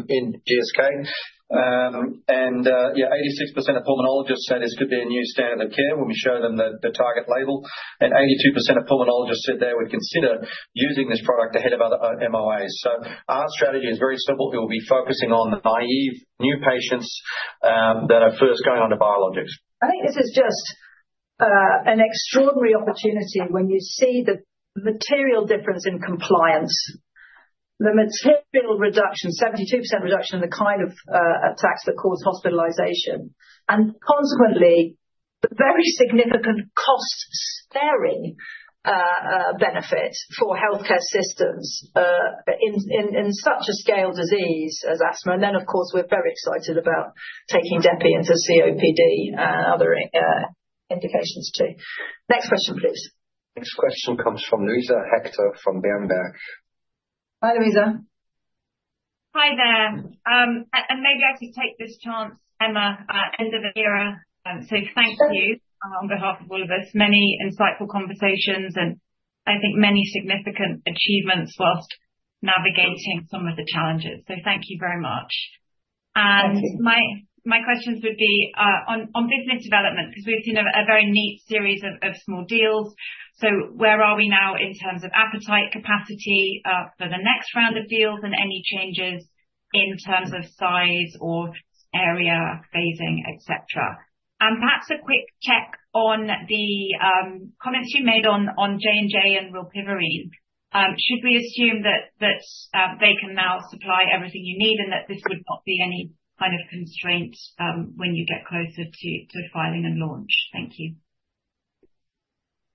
in GSK. And yeah, 86% of pulmonologists said this could be a new standard of care when we show them the target label. And 82% of pulmonologists said they would consider using this product ahead of other MOAs. So our strategy is very simple. It will be focusing on naïve new patients that are first going on to biologics. I think this is just an extraordinary opportunity when you see the material difference in compliance, the material reduction, 72% reduction in the kind of attacks that cause hospitalization, and consequently, the very significant cost-sparing benefit for healthcare systems in such a scale disease as asthma. And then, of course, we're very excited about taking depe into COPD and other indications too. Next question, please. Next question comes from Luisa Hector from Berenberg. Hi, Luisa. Hi there. And maybe I should take this chance. Emma, end of the era. So thank you on behalf of all of us. Many insightful conversations and I think many significant achievements whilst navigating some of the challenges. So thank you very much. And my questions would be on business development, because we've seen a very neat series of small deals. So where are we now in terms of appetite capacity for the next round of deals and any changes in terms of size or area phasing, etc.? And perhaps a quick check on the comments you made on J&J and Rilpivirine. Should we assume that they can now supply everything you need and that this would not be any kind of constraint when you get closer to filing and launch? Thank you.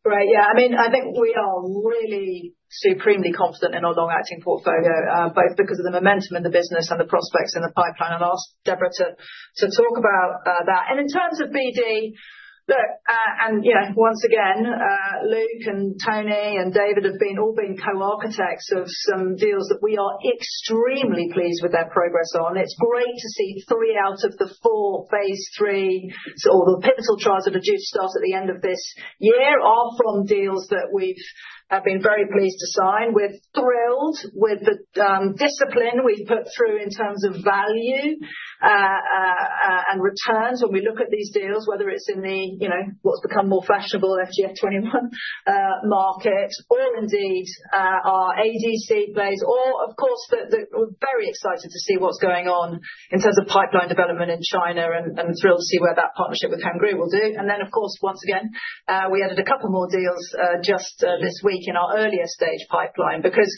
Great. Yeah. I mean, I think we are really supremely confident in our long-acting portfolio, both because of the momentum in the business and the prospects in the pipeline. I'll ask Deborah to talk about that. And in terms of BD, look, and you know, once again, Luke and Tony and David have all been co-architects of some deals that we are extremely pleased with their progress on. It's great to see three out of the four phase III, or the pivotal trials that are due to start at the end of this year are from deals that we've been very pleased to sign. We're thrilled with the discipline we've put through in terms of value and returns when we look at these deals, whether it's in the, you know, what's become more fashionable, FGF21 market, or indeed our ADC phase, or of course, that we're very excited to see what's going on in terms of pipeline development in China and thrilled to see where that partnership with Hengrui will do. And then, of course, once again, we added a couple more deals just this week in our earlier stage pipeline because,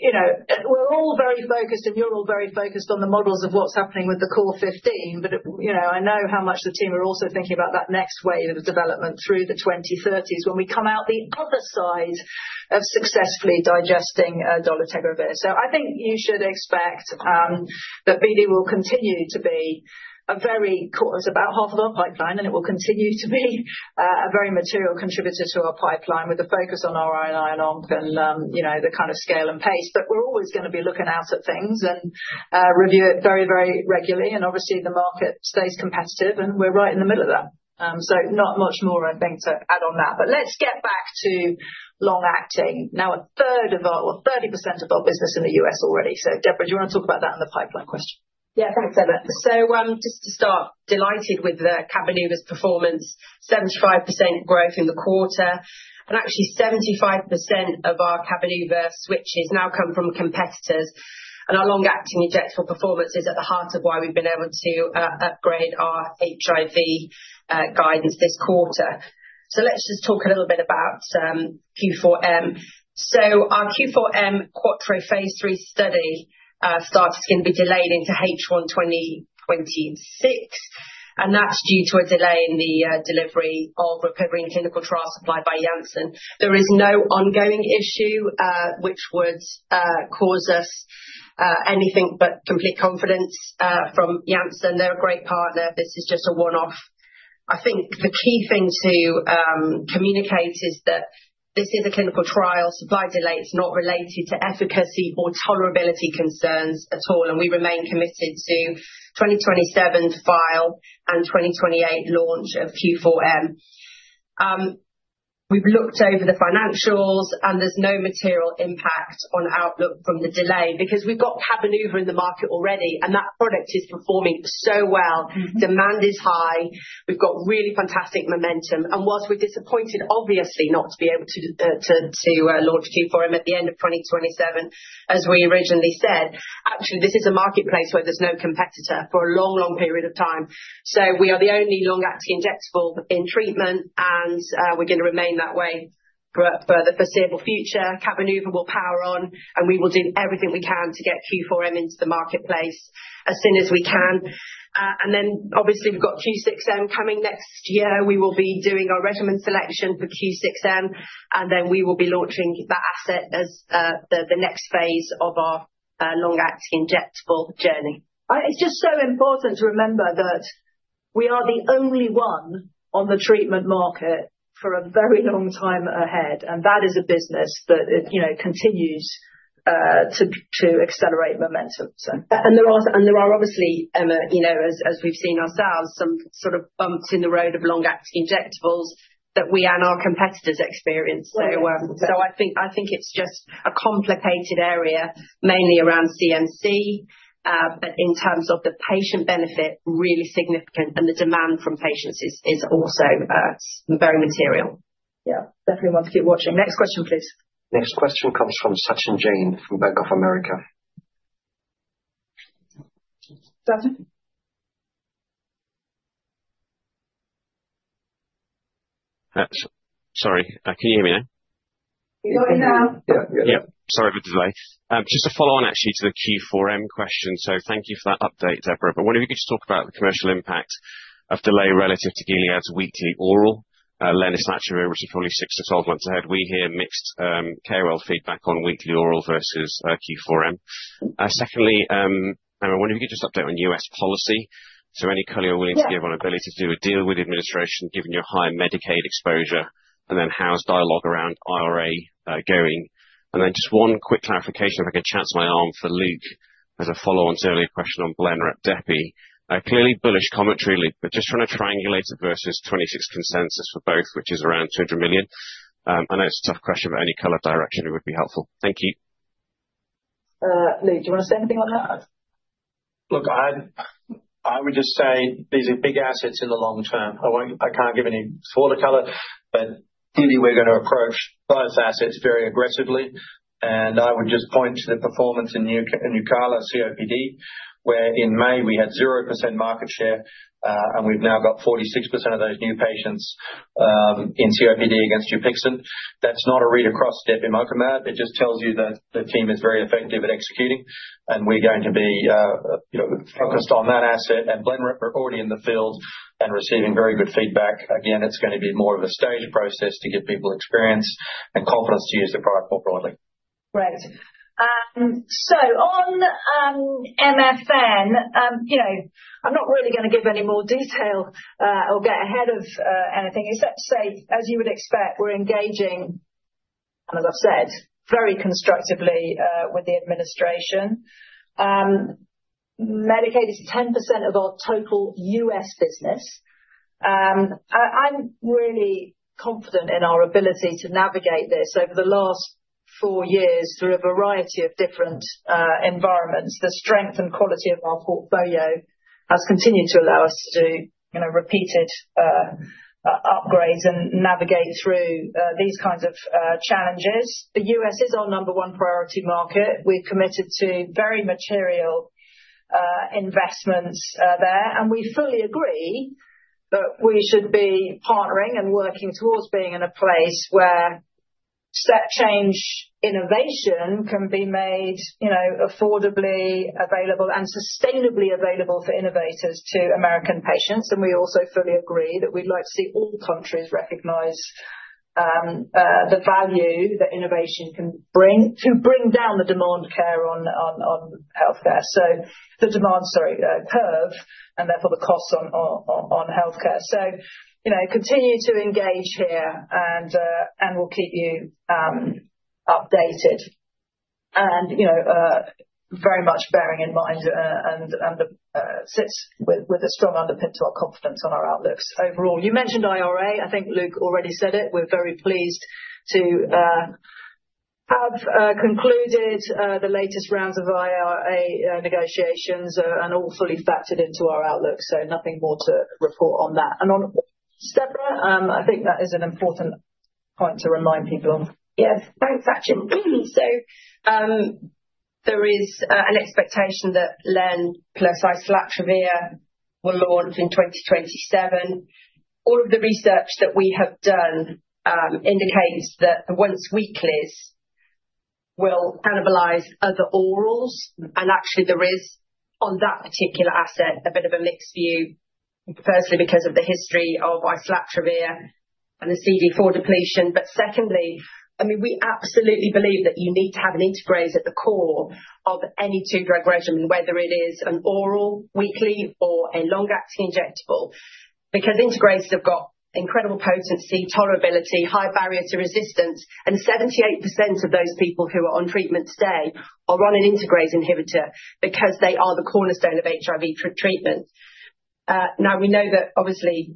you know, we're all very focused and you're all very focused on the models of what's happening with the Core 15, but you know, I know how much the team are also thinking about that next wave of development through the 2030s when we come out the other side of successfully digesting dolutegravir. So I think you should expect that BD will continue to be a very, it's about half of our pipeline, and it will continue to be a very material contributor to our pipeline with the focus on RI&I and Oncology and, you know, the kind of scale and pace. But we're always going to be looking out at things and review it very, very regularly. And obviously, the market stays competitive, and we're right in the middle of that. So not much more, I think, to add on that. But let's get back to long-acting. Now, a third of our, or 30% of our business in the U.S. already. So Deborah, do you want to talk about that in the pipeline question? Yeah, thanks, Emma. So just to start, delighted with the Cabenuva's performance, 75% growth in the quarter. And actually, 75% of our Cabenuva switches now come from competitors. And our long-acting injectable performance is at the heart of why we've been able to upgrade our HIV guidance this quarter. So let's just talk a little bit about Q4M. So our Q4M CUATRO phase III study start is going to be delayed into H1 2026. And that's due to a delay in the delivery of Rilpivirine and Clinical trial supply by Janssen. There is no ongoing issue which would cause us anything but complete confidence from Janssen. They're a great partner. This is just a one-off. I think the key thing to communicate is that this is a Clinical trial. Supply delay is not related to efficacy or tolerability concerns at all. And we remain committed to 2027 file and 2028 launch of Q4M. We've looked over the financials, and there's no material impact on outlook from the delay because we've got Cabenuva in the market already, and that product is performing so well. Demand is high. We've got really fantastic momentum. And whilst we're disappointed, obviously, not to be able to launch Q4M at the end of 2027, as we originally said, actually, this is a marketplace where there's no competitor for a long, long period of time. So we are the only long-acting injectable in treatment, and we're going to remain that way for the foreseeable future. Cabenuva will power on, and we will do everything we can to get Q4M into the marketplace as soon as we can. And then, obviously, we've got Q6M coming next year. We will be doing our regimen selection for Q6M, and then we will be launching that asset as the next phase of our long-acting injectable journey. It's just so important to remember that we are the only one on the treatment market for a very long time ahead, and that is a business that, you know, continues to accelerate momentum, and there are, obviously, Emma, you know, as we've seen ourselves, some sort of bumps in the road of long-acting injectables that we and our competitors experience, so I think it's just a complicated area, mainly around CMC, but in terms of the patient benefit, really significant, and the demand from patients is also very material. Yeah, definitely want to keep watching. Next question, please. Next question comes from Sachin Jain from Bank of America. Sorry, can you hear me now? You're in now. Yeah, yeah. Yep. Sorry for the delay. Just to follow on, actually, to the Q4M question, so thank you for that update, Deborah, but what if you could just talk about the commercial impact of delay relative to Gilead's weekly oral lenacapavir, which is probably six to 12 months ahead. We hear mixed KOL feedback on weekly oral versus Q4M. Secondly, Emma, could you just update on U.S. policy, so any color you're willing to give on ability to do a deal with administration, given your high Medicaid exposure, and then how's dialogue around IRA going, and then just one quick clarification, if I can chance my arm for Luke as a follow-on to earlier question on Blenrep and depe. Clearly bullish commentary, Luke, but just trying to triangulate it versus 2026 consensus for both, which is around 200 million. I know it's a tough question, but any color direction would be helpful. Thank you. Luke, do you want to say anything on that? Look, I would just say these are big assets in the long term. I can't give any fuller color, but clearly we're going to approach those assets very aggressively, and I would just point to the performance in Nucala COPD, where in May we had 0% market share, and we've now got 46% of those new patients in COPD against Dupixent. That's not a read across depemokimab. It just tells you that the team is very effective at executing, and we're going to be focused on that asset, and Blenrep are already in the field and receiving very good feedback. Again, it's going to be more of a staged process to give people experience and confidence to use the product more broadly. Great. So on MFN, you know, I'm not really going to give any more detail or get ahead of anything, except to say, as you would expect, we're engaging, as I've said, very constructively with the administration. Medicaid is 10% of our total U.S. business. I'm really confident in our ability to navigate this over the last four years through a variety of different environments. The strength and quality of our portfolio has continued to allow us to do repeated upgrades and navigate through these kinds of challenges. The U.S. is our number one priority market. We're committed to very material investments there. And we fully agree that we should be partnering and working towards being in a place where step change innovation can be made, you know, affordably available and sustainably available for innovators to American patients. And we also fully agree that we'd like to see all countries recognize the value that innovation can bring to bring down the demand curve on healthcare. So the demand, sorry, curve, and therefore the costs on healthcare. So, you know, continue to engage here, and we'll keep you updated. And, you know, very much bearing in mind and sits with a strong underpin to our confidence on our outlooks overall. You mentioned IRA. I think Luke already said it. We're very pleased to have concluded the latest rounds of IRA negotiations, and all fully factored into our outlook. So nothing more to report on that. And on Deborah, I think that is an important point to remind people on. Yes, thanks, Sachin. So there is an expectation that len plus islatravir will launch in 2027. All of the research that we have done indicates that the once weeklies will cannibalize other orals, and actually, there is on that particular asset a bit of a mixed view, firstly, because of the history of islatravir and the CD4 depletion, but secondly, I mean, we absolutely believe that you need to have an integrase at the core of any two-drug regimen, whether it is an oral weekly or a long-acting injectable, because integrases have got incredible potency, tolerability, high barrier to resistance, and 78% of those people who are on treatment today are on an integrase inhibitor because they are the cornerstone of HIV treatment. Now, we know that obviously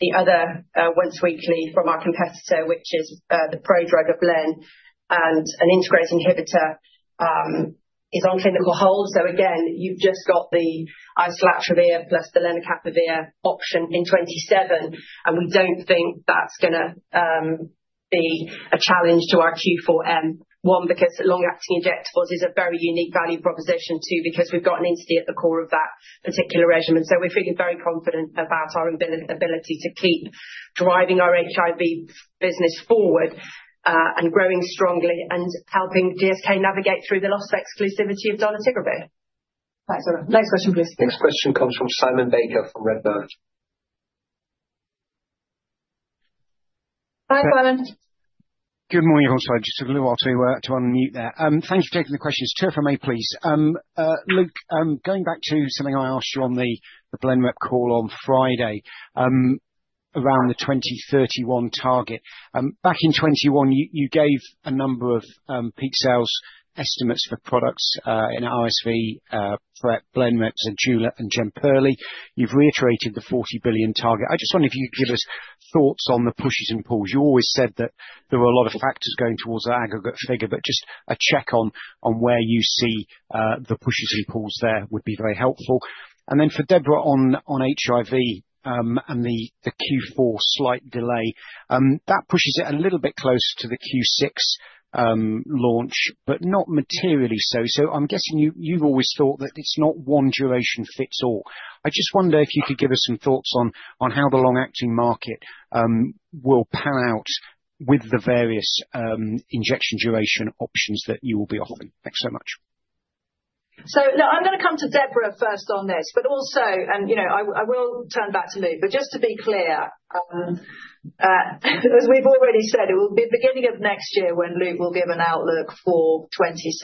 the other once weekly from our competitor, which is the prodrug of lenacapavir and an integrase inhibitor, is on clinical hold, so again, you've just got the islatravir plus the lenacapavir option in 2027. And we don't think that's going to be a challenge to our Q4M. One, because long-acting injectables is a very unique value proposition. Two, because we've got an entity at the core of that particular regimen. So we're feeling very confident about our ability to keep driving our HIV business forward and growing strongly and helping GSK navigate through the loss of exclusivity of dolutegravir. Thanks, Emma. Next question, please. Next question comes from Simon Baker from Redburn. Hi Simon. Good morning, also. I just took a little while to unmute there. Thank you for taking the questions. Two if I may, please. Luke, going back to something I asked you on the Blenrep call on Friday around the 2031 target. Back in 2021, you gave a number of peak sales estimates for products in RSV for Blenrep, Zejula and Jemperli. You've reiterated the 40 billion target. I just wonder if you could give us thoughts on the pushes and pulls. You always said that there were a lot of factors going towards that aggregate figure, but just a check on where you see the pushes and pulls there would be very helpful. And then for Deborah on HIV and the Q4 slight delay, that pushes it a little bit closer to the Q6 launch, but not materially so. So I'm guessing you've always thought that it's not one duration fits all. I just wonder if you could give us some thoughts on how the long-acting market will pan out with the various injection duration options that you will be offering. Thanks so much. So look, I'm going to come to Deborah first on this, but also, and you know, I will turn back to Luke, but just to be clear, as we've already said, it will be the beginning of next year when Luke will give an outlook for 2026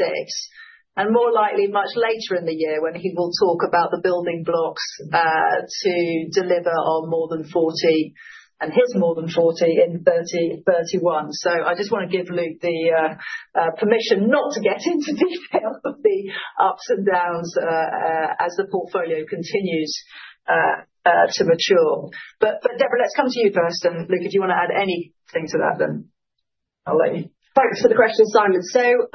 and more likely much later in the year when he will talk about the building blocks to deliver on more than 40 and his more than 40 in 2030-2031. I just want to give Luke the permission not to get into detail of the ups and downs as the portfolio continues to mature. But Deborah, let's come to you first. And Luke, if you want to add anything to that, then I'll let you. Thanks for the question, Simon. So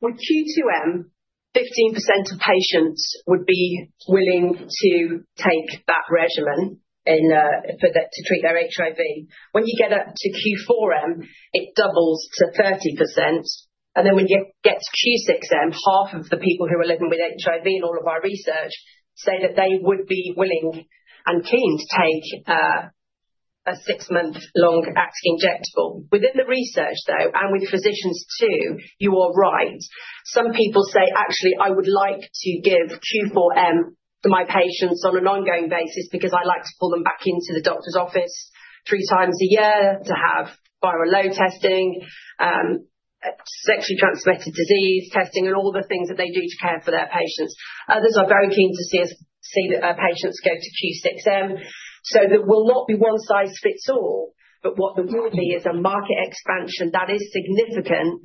with Q2M, 15% of patients would be willing to take that regimen to treat their HIV. When you get up to Q4M, it doubles to 30%. And then when you get to Q6M, half of the people who are living with HIV in all of our research say that they would be willing and keen to take a six-month long-acting injectable. Within the research, though, and with physicians too, you are right. Some people say, actually, I would like to give Q4M to my patients on an ongoing basis because I'd like to pull them back into the doctor's office three times a year to have viral load testing, sexually transmitted disease testing, and all the things that they do to care for their patients. Others are very keen to see patients go to Q6M. So there will not be one size fits all, but what there will be is a market expansion that is significant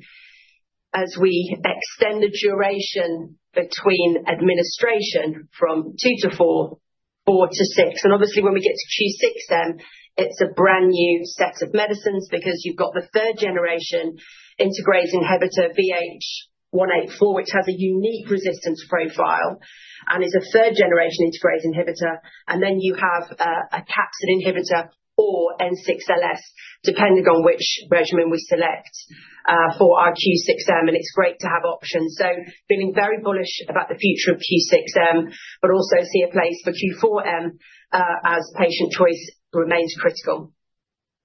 as we extend the duration between administration from two to four, four to six. And obviously, when we get to Q6M, it's a brand new set of medicines because you've got the third-generation integrase inhibitor VH184, which has a unique resistance profile and is a third-generation integrase inhibitor. And then you have a capsid inhibitor or N6LS, depending on which regimen we select for our Q6M. And it's great to have options. So feeling very bullish about the future of Q6M, but also see a place for Q4M as patient choice remains critical.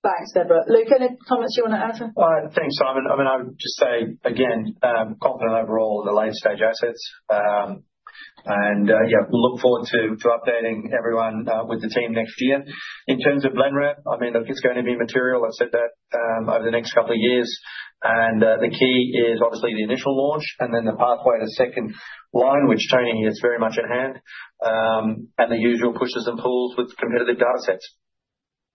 Thanks, Deborah. Luke, any comments you want to add to that? Thanks, Simon. I mean, I would just say, again, confident overall in the late-stage assets. Yeah, look forward to updating everyone with the team next year. In terms of Blenrep, I mean, look, it's going to be material. I've said that over the next couple of years. And the key is obviously the initial launch and then the pathway to second line, which Tony is very much hands-on, and the usual pushes and pulls with competitive data sets.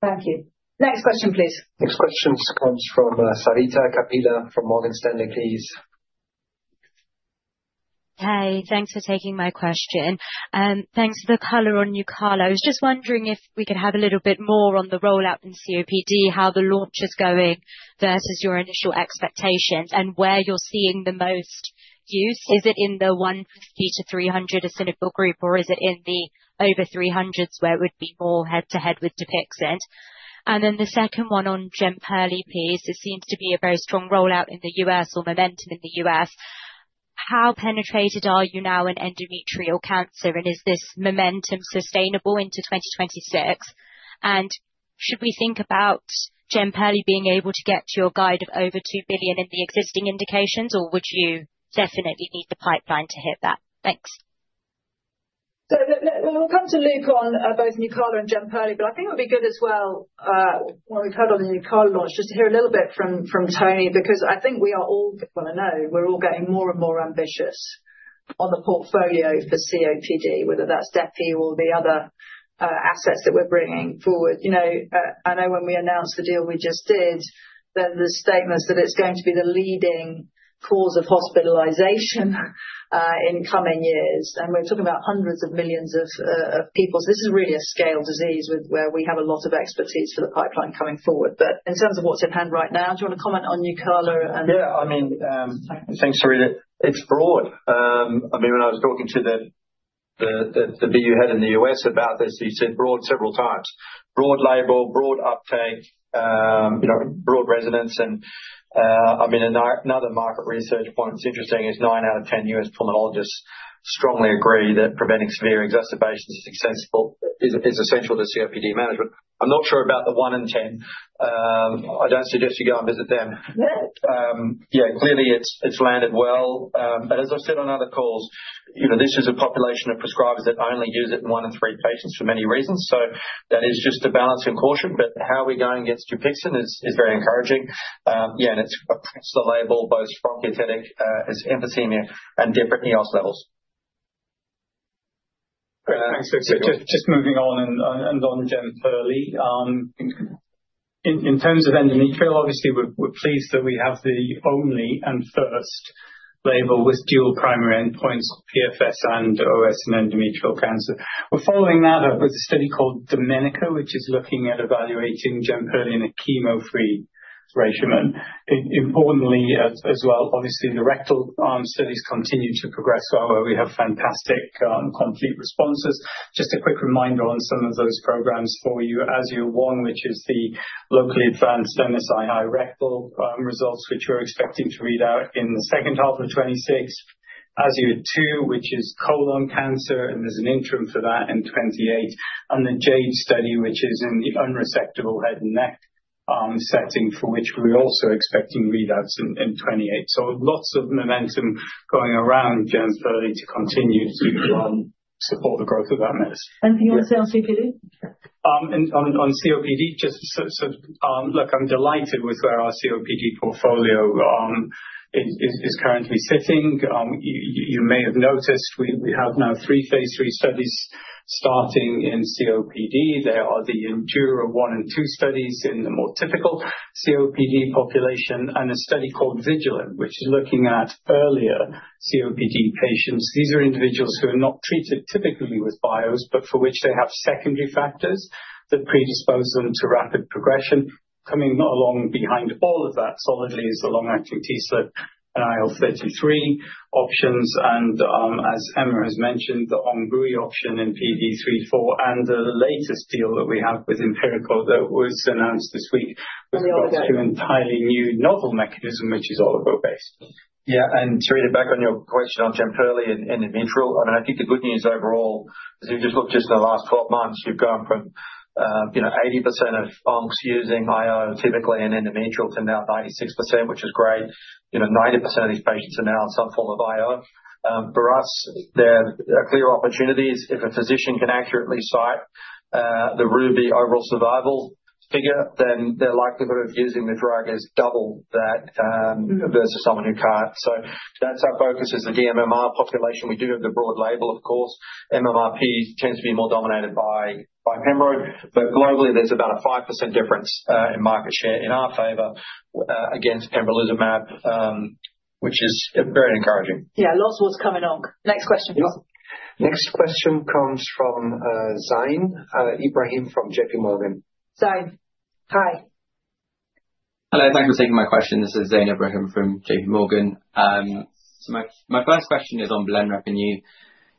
Thank you. Next question, please. Next question comes from Sarita Kapila from Morgan Stanley, please. Hey, thanks for taking my question. Thanks for the color on Nucala. I was just wondering if we could have a little bit more on the rollout in COPD, how the launch is going versus your initial expectations and where you're seeing the most use. Is it in the 150-300 eosinophil group, or is it in the over 300s where it would be more head-to-head with Dupixent? And then the second one on Jemperli, please. It seems to be a very strong rollout in the U.S. or momentum in the U.S. How penetrated are you now in endometrial cancer, and is this momentum sustainable into 2026? And should we think about Jemperli being able to get to your guide of over 2 billion in the existing indications, or would you definitely need the pipeline to hit that? Thanks. So we'll come to Luke on both Nucala and Jemperli, but I think it would be good as well when we've heard on the Nucala launch just to hear a little bit from Tony, because I think we are all, well, I know we're all getting more and more ambitious on the portfolio for COPD, whether that's depe or the other assets that we're bringing forward. You know, I know when we announced the deal we just did, there's the statements that it's going to be the leading cause of hospitalization in coming years, and we're talking about hundreds of millions of people, so this is really a scale disease where we have a lot of expertise for the pipeline coming forward. But in terms of what's at hand right now, do you want to comment on Nucala? Yeah, I mean, thanks, Sarita. It's broad. I mean, when I was talking to the BU head in the U.S. about this, he said broad several times. Broad label, broad uptake, broad resonance, and I mean, another market research point that's interesting is nine out of 10 U.S. pulmonologists strongly agree that preventing severe exacerbations is essential to COPD management. I'm not sure about the one in 10. I don't suggest you go and visit them. Yeah, clearly it's landed well. But as I've said on other calls, you know, this is a population of prescribers that only use it in one in three patients for many reasons. So that is just a balance and caution. But how we're going against Dupixent is very encouraging. Yeah, and it's across the label, both bronchiectatic emphysema and different EOS levels. Just moving on and on Jemperli. In terms of endometrial, obviously, we're pleased that we have the only and first label with dual primary endpoints, PFS and OS and endometrial cancer. We're following that up with a study called DOMENICA, which is looking at evaluating Jemperli in a chemo-free regimen. Importantly as well, obviously, the rectal studies continue to progress, where we have fantastic complete responses. Just a quick reminder on some of those programs for you. AZUR-1, which is the locally advanced MSI-H rectal results, which we're expecting to read out in the second half of 2026. AZUR-2, which is colon cancer, and there's an interim for that in 2028, and the Jade study, which is in the unresectable head and neck setting, for which we're also expecting readouts in 2028, so lots of momentum going around Jemperli to continue to support the growth of that medicine, And on COPD, just look, I'm delighted with where our COPD portfolio is currently sitting. You may have noticed we have now three phase III studies starting in COPD. There are the ENDURA-1 and 2 studies in the more typical COPD population and a study called VIGILANT], which is looking at earlier COPD patients. These are individuals who are not treated typically with bios, but for which they have secondary factors that predispose them to rapid progression. Coming along behind all of that solidly is the long-acting TSLP and IL-33 options, and as Emma has mentioned, the Hengrui option in PD 34 and the latest deal that we have with Empirico that was announced this week was brought to an entirely new novel mechanism, which is oligo based. Yeah, and to read it back on your question on Jemperli and endometrial, I mean, I think the good news overall, as you just looked just in the last 12 months, you've gone from 80% of oncs using IO typically and endometrial to now 96%, which is great. You know, 90% of these patients are now on some form of IO. For us, there are clear opportunities. If a physician can accurately cite the RUBY overall survival figure, then their likelihood of using the drug is double that versus someone who can't. So that's our focus as the dMMR population. We do have the broad label, of course. MMRP tends to be more dominated by pembro, but globally, there's about a 5% difference in market share in our favor against pembrolizumab, which is very encouraging. Yeah, lots of what's coming on. Next question, please. Next question comes from Zain Ibrahim from JP Morgan. Zain, hi. Hello, thanks for taking my question. This is Zain Ibrahim from JP Morgan. So my first question is on Blenrep. And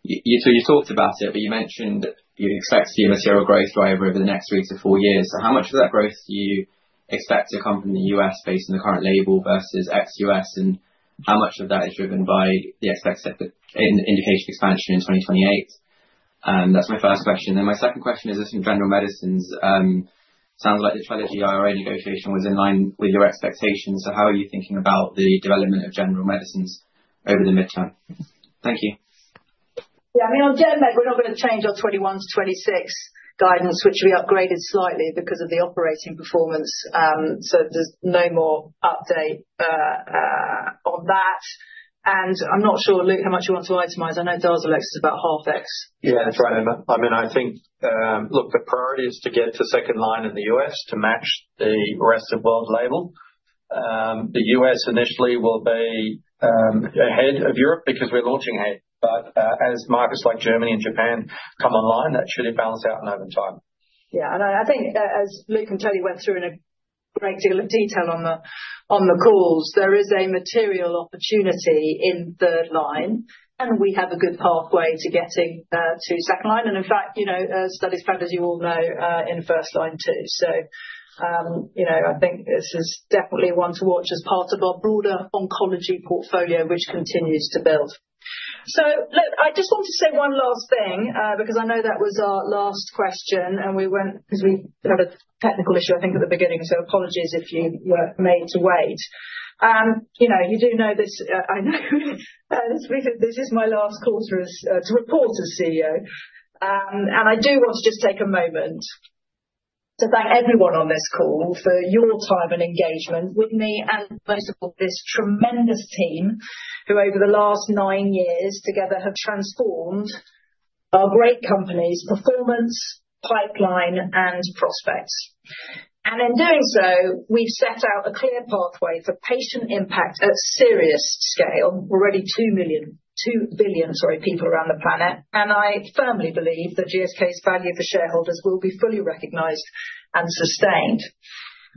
you talked about it, but you mentioned you expect to see a material growth driver over the next three to four years. So how much of that growth do you expect to come from the U.S. based on the current label versus ex-U.S.? And how much of that is driven by the expected indication expansion in 2028? That's my first question. And my second question is this from General Medicines. Sounds like the Trelegy IRA negotiation was in line with your expectations. So how are you thinking about the development of General Medicines over the midterm? Thank you. Yeah, I mean, on Gen Med, we're not going to change our 2021-2026 guidance, which we upgraded slightly because of the operating performance. So there's no more update on that. And I'm not sure, Luke, how much you want to itemize. I know Darzalex is about 0.5x. Yeah, that's right, Emma. I mean, I think, look, the priority is to get to second line in the U.S. to match the rest-of-world label. The U.S. initially will be ahead of Europe because we're launching ahead, but as markets like Germany and Japan come online, that should balance out over time. Yeah, and I think, as Luke and Tony went through in a great deal of detail on the calls, there is a material opportunity in third line, and we have a good pathway to getting to second line, and in fact, studies found, as you all know, in first line too, so I think this is definitely one to watch as part of our broader Oncology portfolio, which continues to build. So look, I just want to say one last thing, because I know that was our last question, and we went because we had a technical issue, I think, at the beginning. So apologies if you were made to wait. You do know this. I know this is my last call to report as CEO. And I do want to just take a moment to thank everyone on this call for your time and engagement with me and, most of all, this tremendous team who, over the last nine years together, have transformed our great company's performance, pipeline, and prospects. And in doing so, we've set out a clear pathway for patient impact at serious scale. We're already two billion, sorry, people around the planet. And I firmly believe that GSK's value for shareholders will be fully recognized and sustained.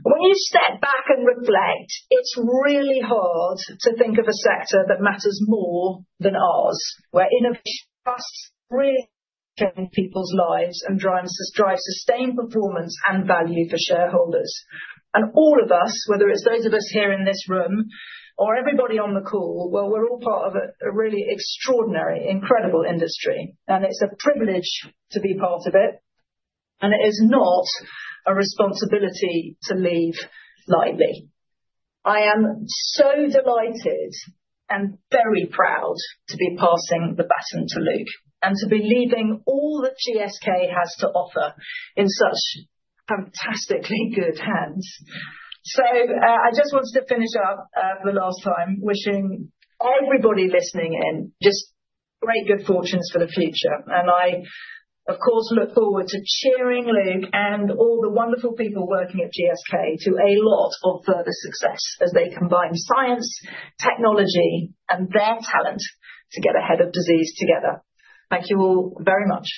When you step back and reflect, it's really hard to think of a sector that matters more than ours, where innovation really changes people's lives and drives sustained performance and value for shareholders. And all of us, whether it's those of us here in this room or everybody on the call, well, we're all part of a really extraordinary, incredible industry. And it's a privilege to be part of it. And it is not a responsibility to leave lightly. I am so delighted and very proud to be passing the baton to Luke and to be leaving all that GSK has to offer in such fantastically good hands. So I just wanted to finish up for the last time, wishing everybody listening in just great good fortunes for the future. And I, of course, look forward to cheering Luke and all the wonderful people working at GSK to a lot of further success as they combine science, technology, and their talent to get ahead of disease together. Thank you all very much.